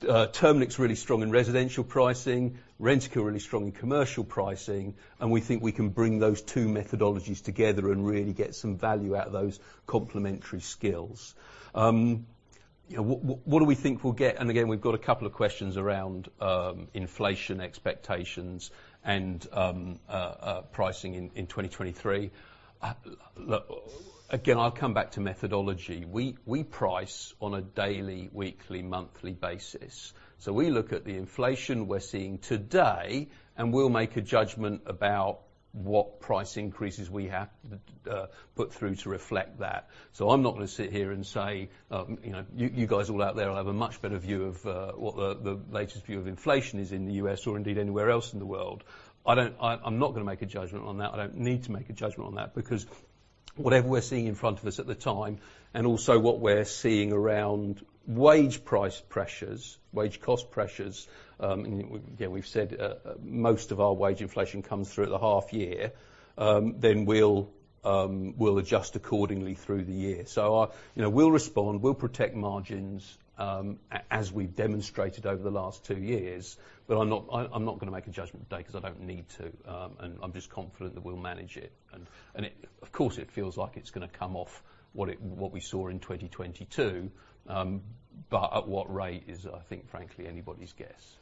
Terminix really strong in residential pricing, Rentokil really strong in commercial pricing, and we think we can bring those two methodologies together and really get some value out of those complementary skills. You know, what do we think we'll get? Again, we've got a couple of questions around inflation expectations and pricing in 2023. Look, again, I'll come back to methodology. We price on a daily, weekly, monthly basis. We look at the inflation we're seeing today, and we'll make a judgment about what price increases we have put through to reflect that. I'm not gonna sit here and say, you know, you guys all out there will have a much better view of what the latest view of inflation is in the U.S. or indeed anywhere else in the world. I'm not gonna make a judgment on that. I don't need to make a judgment on that because whatever we're seeing in front of us at the time, and also what we're seeing around wage price pressures, wage cost pressures, yeah, we've said most of our wage inflation comes through the half year, then we'll adjust accordingly through the year. I, you know, we'll respond, we'll protect margins, as we've demonstrated over the last two years, but I'm not, I'm not gonna make a judgment today 'cause I don't need to. I'm just confident that we'll manage it. It... of course, it feels like it's gonna come off what it, what we saw in 2022, but at what rate is, I think, frankly, anybody's guess.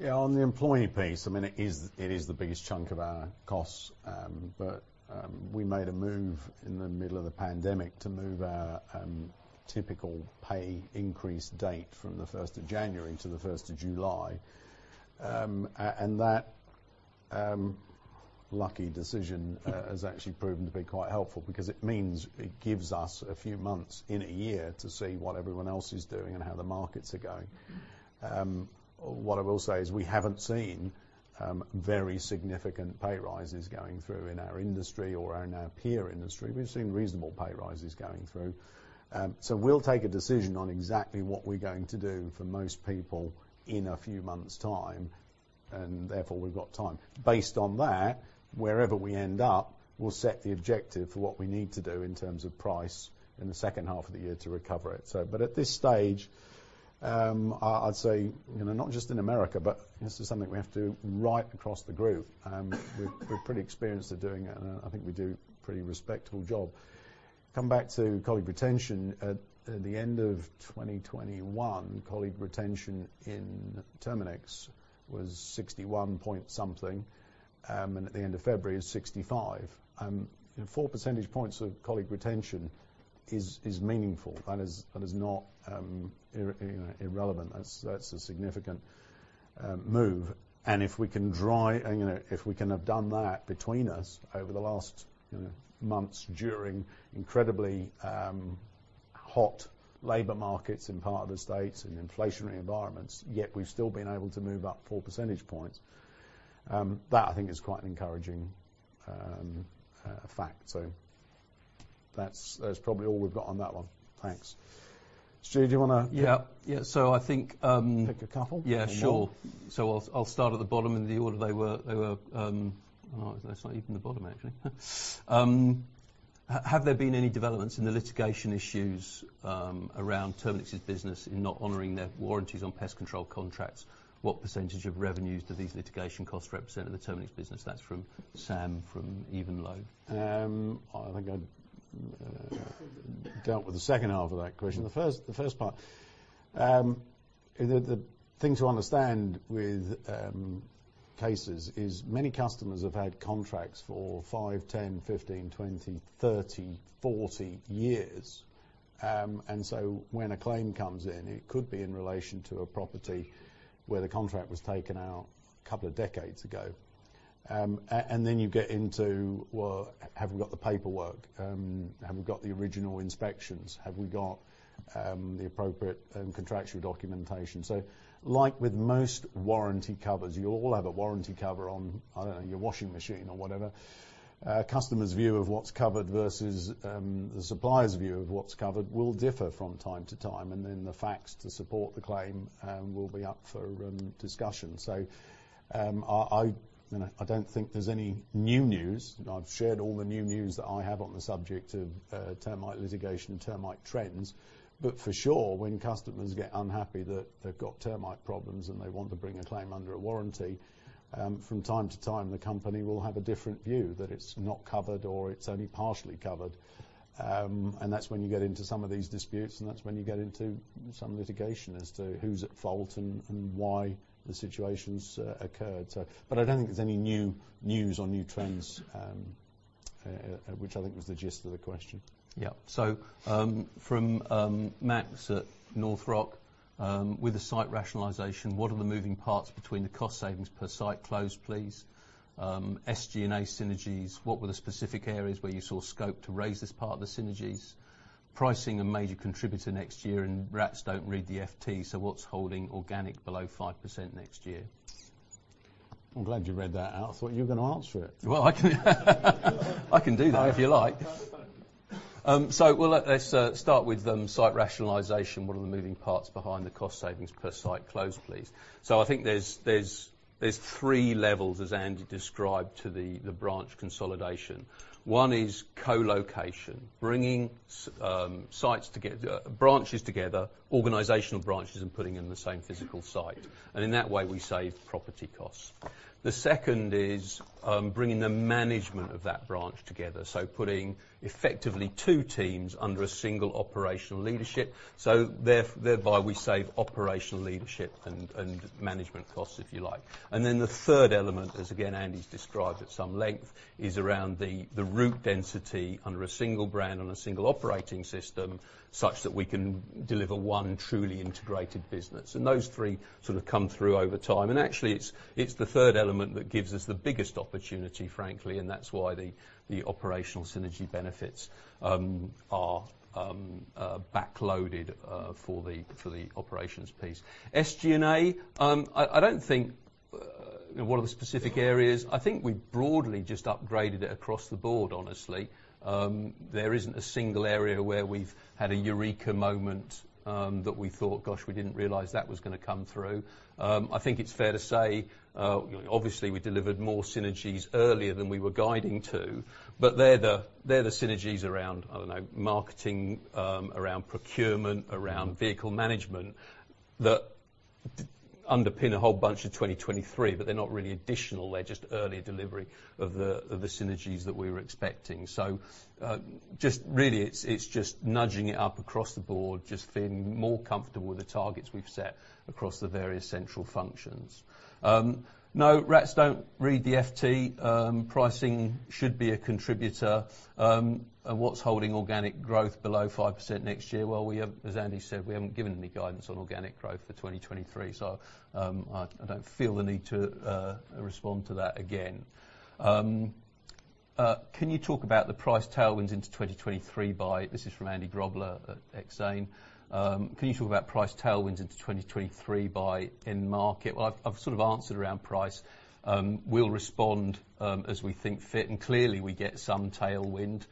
Yeah. On the employee piece, I mean, it is the biggest chunk of our costs. We made a move in the middle of the pandemic to move our typical pay increase date from the 1st of January to the 1st of July. That lucky decision has actually proven to be quite helpful because it means it gives us a few months in a year to see what everyone else is doing and how the markets are going. What I will say is we haven't seen very significant pay rises going through in our industry or in our peer industry. We've seen reasonable pay rises going through. We'll take a decision on exactly what we're going to do for most people in a few months' time, and therefore, we've got time. Based on that, wherever we end up, we'll set the objective for what we need to do in terms of price in the second half of the year to recover it. But at this stage, I'd say, you know, not just in America, but this is something we have to do right across the group. We're pretty experienced at doing it, and I think we do a pretty respectable job. Come back to colleague retention. At the end of 2021, colleague retention in Terminix was 61-point something, and at the end of February, it's 65. 4 percentage points of colleague retention is meaningful. That is not, you know, irrelevant. That's a significant move. If we can drive... You know, if we can have done that between us over the last, you know, months during incredibly hot labor markets in part of the States and inflationary environments, yet we've still been able to move up 4 percentage points, that I think is quite an encouraging fact. That's probably all we've got on that one. Thanks. Stu, do you wanna- Yeah. I think. Pick a couple? Yeah, sure. more. I'll start at the bottom in the order they were. That's not even the bottom actually. Have there been any developments in the litigation issues around Terminix's business in not honoring their warranties on pest control contracts? What % of revenues do these litigation costs represent in the Terminix business? That's from Sam, from Evenlode. I think I dealt with the second half of that question. The first part. The thing to understand with cases is many customers have had contracts for five, 10, 15, 20, 30, 40 years. When a claim comes in, it could be in relation to a property where the contract was taken out a couple of decades ago. Then you get into, well, have we got the paperwork? Have we got the original inspections? Have we got the appropriate contractual documentation? Like with most warranty covers, you all have a warranty cover on, I don't know, your washing machine or whatever. A customer's view of what's covered versus the supplier's view of what's covered will differ from time to time, and then the facts to support the claim will be up for discussion. I, you know, I don't think there's any new news. I've shared all the new news that I have on the subject of termite litigation and termite trends. For sure, when customers get unhappy that they've got termite problems and they want to bring a claim under a warranty, from time to time, the company will have a different view that it's not covered or it's only partially covered. That's when you get into some of these disputes, and that's when you get into some litigation as to who's at fault and why the situation's occurred. I don't think there's any new news or new trends, which I think was the gist of the question. From Max at North Rock, with the site rationalization, what are the moving parts between the cost savings per site closed, please? SG&A synergies, what were the specific areas where you saw scope to raise this part of the synergies? Pricing a major contributor next year. Rats don't read the FT, so what's holding organic below 5% next year? I'm glad you read that out. I thought you were gonna answer it. Well, I can do that if you like. So well, let's start with site rationalization. What are the moving parts behind the cost savings per site closed, please? I think there's, there's three levels, as Andy described, to the branch consolidation. One is co-location, bringing sites together, branches together, organizational branches, and putting them in the same physical site. In that way, we save property costs. The second is bringing the management of that branch together, so putting effectively two teams under a single operational leadership, so thereby we save operational leadership and management costs, if you like. Then the third element, as again Andy's described at some length is around the route density under a single brand on a single operating system, such that we can deliver one truly integrated business. Those three sort of come through over time. Actually it's the third element that gives us the biggest opportunity, frankly, and that's why the operational synergy benefits are backloaded for the, for the operations piece. SG&A, I don't think, you know, one of the specific areas. I think we broadly just upgraded it across the board, honestly. There isn't a single area where we've had a eureka moment, that we thought, gosh, we didn't realize that was gonna come through. I think it's fair to say, obviously, we delivered more synergies earlier than we were guiding to. They're the synergies around, I don't know, marketing, around procurement, around vehicle management, that underpin a whole bunch of 2023, but they're not really additional. They're just early delivery of the, of the synergies that we were expecting. Just really it's just nudging it up across the board, just feeling more comfortable with the targets we've set across the various central functions. No, rats don't read the FT. Pricing should be a contributor. What's holding organic growth below 5% next year? Well, as Andy said, we haven't given any guidance on organic growth for 2023, so, I don't feel the need to respond to that again. Can you talk about the price tailwinds into 2023 by... This is from Andy Grobler at Exane. Can you talk about price tailwinds into 2023 buy in market? Well, I've sort of answered around price. We'll respond as we think fit. Clearly, we get some tailwind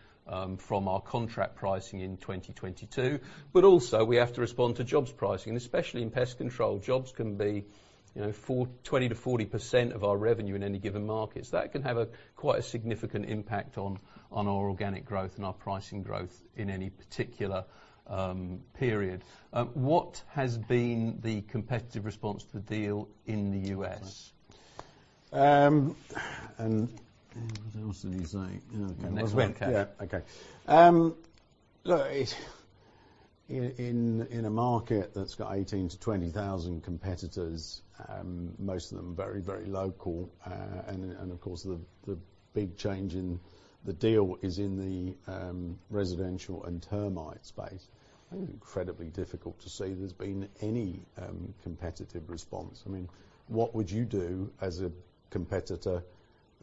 from our contract pricing in 2022. Also, we have to respond to jobs pricing, and especially in pest control, jobs can be, you know, 4%, 20%-40% of our revenue in any given markets. That can have a quite a significant impact on our organic growth and our pricing growth in any particular period. What has been the competitive response to the deal in the U.S.? What else did he say? Okay. Next win. Okay. Yeah. Okay. look, in a market that's got 18,000-20,000 competitors, most of them very, very local. Of course, the big change in the deal is in the residential and termite space. I think incredibly difficult to say there's been any competitive response. I mean, what would you do as a competitor?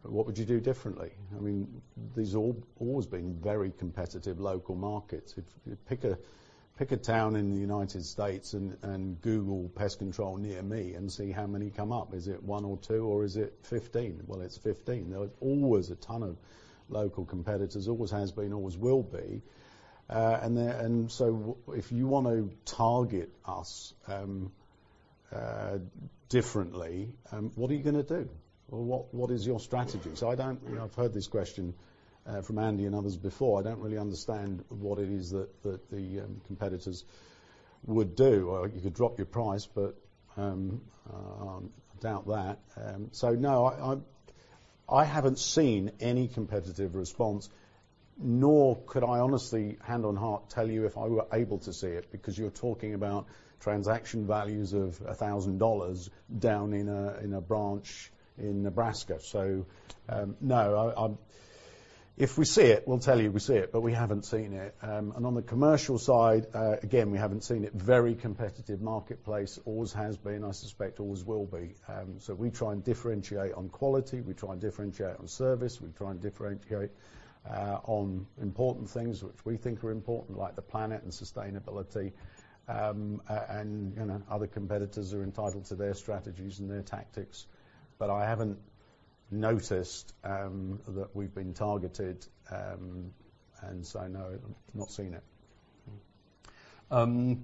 What would you do differently? I mean, these always been very competitive local markets. If you pick a town in the United States and Google pest control near me and see how many come up. Is it one or or is it 15? Well, it's 15. There was always a ton of local competitors. Always has been, always will be. If you wanna target us, differently, what are you gonna do? What is your strategy? I don't. You know, I've heard this question from Andy and others before. I don't really understand what it is that the competitors would do. You could drop your price, but doubt that. No, I haven't seen any competitive response, nor could I honestly, hand on heart, tell you if I were able to see it, because you're talking about transaction values of $1,000 down in a branch in Nebraska. No, If we see it, we'll tell you we see it, but we haven't seen it. On the commercial side, again, we haven't seen it. Very competitive marketplace, always has been, I suspect always will be. We try and differentiate on quality, we try and differentiate on service, we try and differentiate on important things which we think are important, like the planet and sustainability. You know, other competitors are entitled to their strategies and their tactics. I haven't noticed that we've been targeted. No, not seen it. Then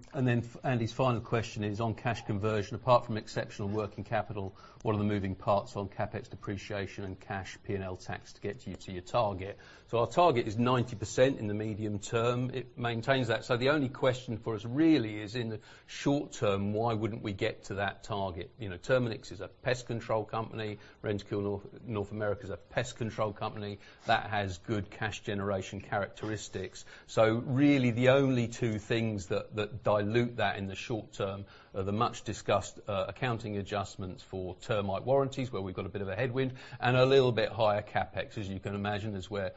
Andy's final question is on cash conversion, apart from exceptional working capital, what are the moving parts on CapEx depreciation and cash P&L tax to get you to your target? Our target is 90% in the medium term. It maintains that. The only question for us really is in the short term, why wouldn't we get to that target? You know, Terminix is a pest control company. Rentokil North America is a pest control company that has good cash generation characteristics. Really, the only two things that dilute that in the short term are the much discussed accounting adjustments for termite warranties, where we've got a bit of a headwind, and a little bit higher CapEx. As you can imagine, as we're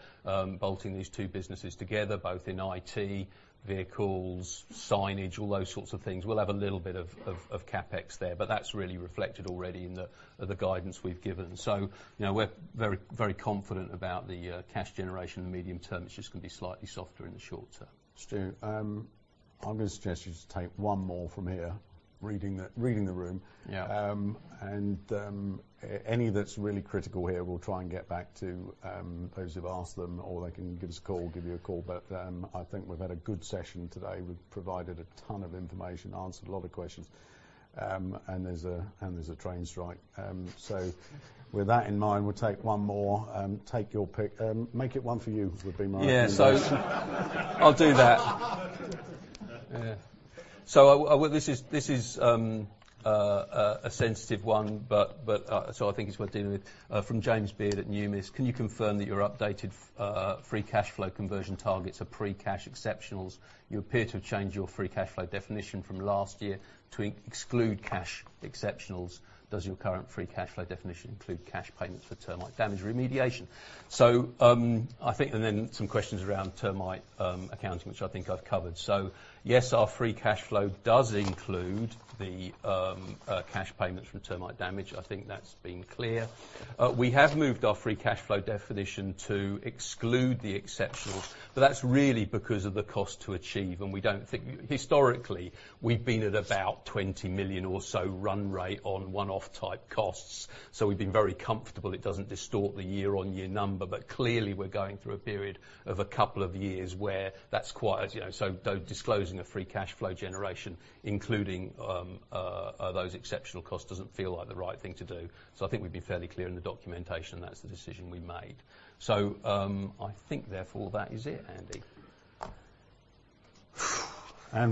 bolting these two businesses together, both in IT, vehicles, signage, all those sorts of things. We'll have a little bit of CapEx there. That's really reflected already in the guidance we've given. You know, we're very, very confident about the cash generation in the medium term. It's just gonna be slightly softer in the short term. Stu, I'm gonna suggest you just take one more from here, reading the room. Yeah. Any that's really critical here, we'll try and get back to those who've asked them, or they can give us a call, give you a call. I think we've had a good session today. We've provided a ton of information, answered a lot of questions. There's a train strike. With that in mind, we'll take one more. Take your pick. Make it one for you would be my opinion. Yeah. I'll do that. Yeah. This is a sensitive one, but I think it's worth dealing with. From James Beard at Numis. Can you confirm that your updated free cash flow conversion targets are pre cash exceptionals? You appear to have changed your free cash flow definition from last year to exclude cash exceptionals. Does your current free cash flow definition include cash payments for termite damage remediation? I think and then some questions around termite accounting, which I think I've covered. Yes, our free cash flow does include the cash payments from termite damage. I think that's been clear. We have moved our free cash flow definition to exclude the exceptionals, but that's really because of the cost to achieve, and we don't think... Historically, we've been at about 20 million or so run rate on one-off type costs. We've been very comfortable it doesn't distort the year-on-year number. But clearly, we're going through a period of a couple of years where that's quite, as you know, though disclosing the free cash flow generation, including, those exceptional costs doesn't feel like the right thing to do. I think we'd be fairly clear in the documentation that's the decision we made. I think therefore that is it, Andy.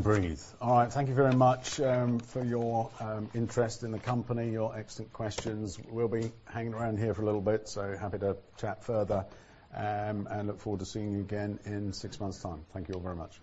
Breathe. All right. Thank you very much for your interest in the company, your excellent questions. We'll be hanging around here for a little bit, so happy to chat further. Look forward to seeing you again in six months' time. Thank you all very much.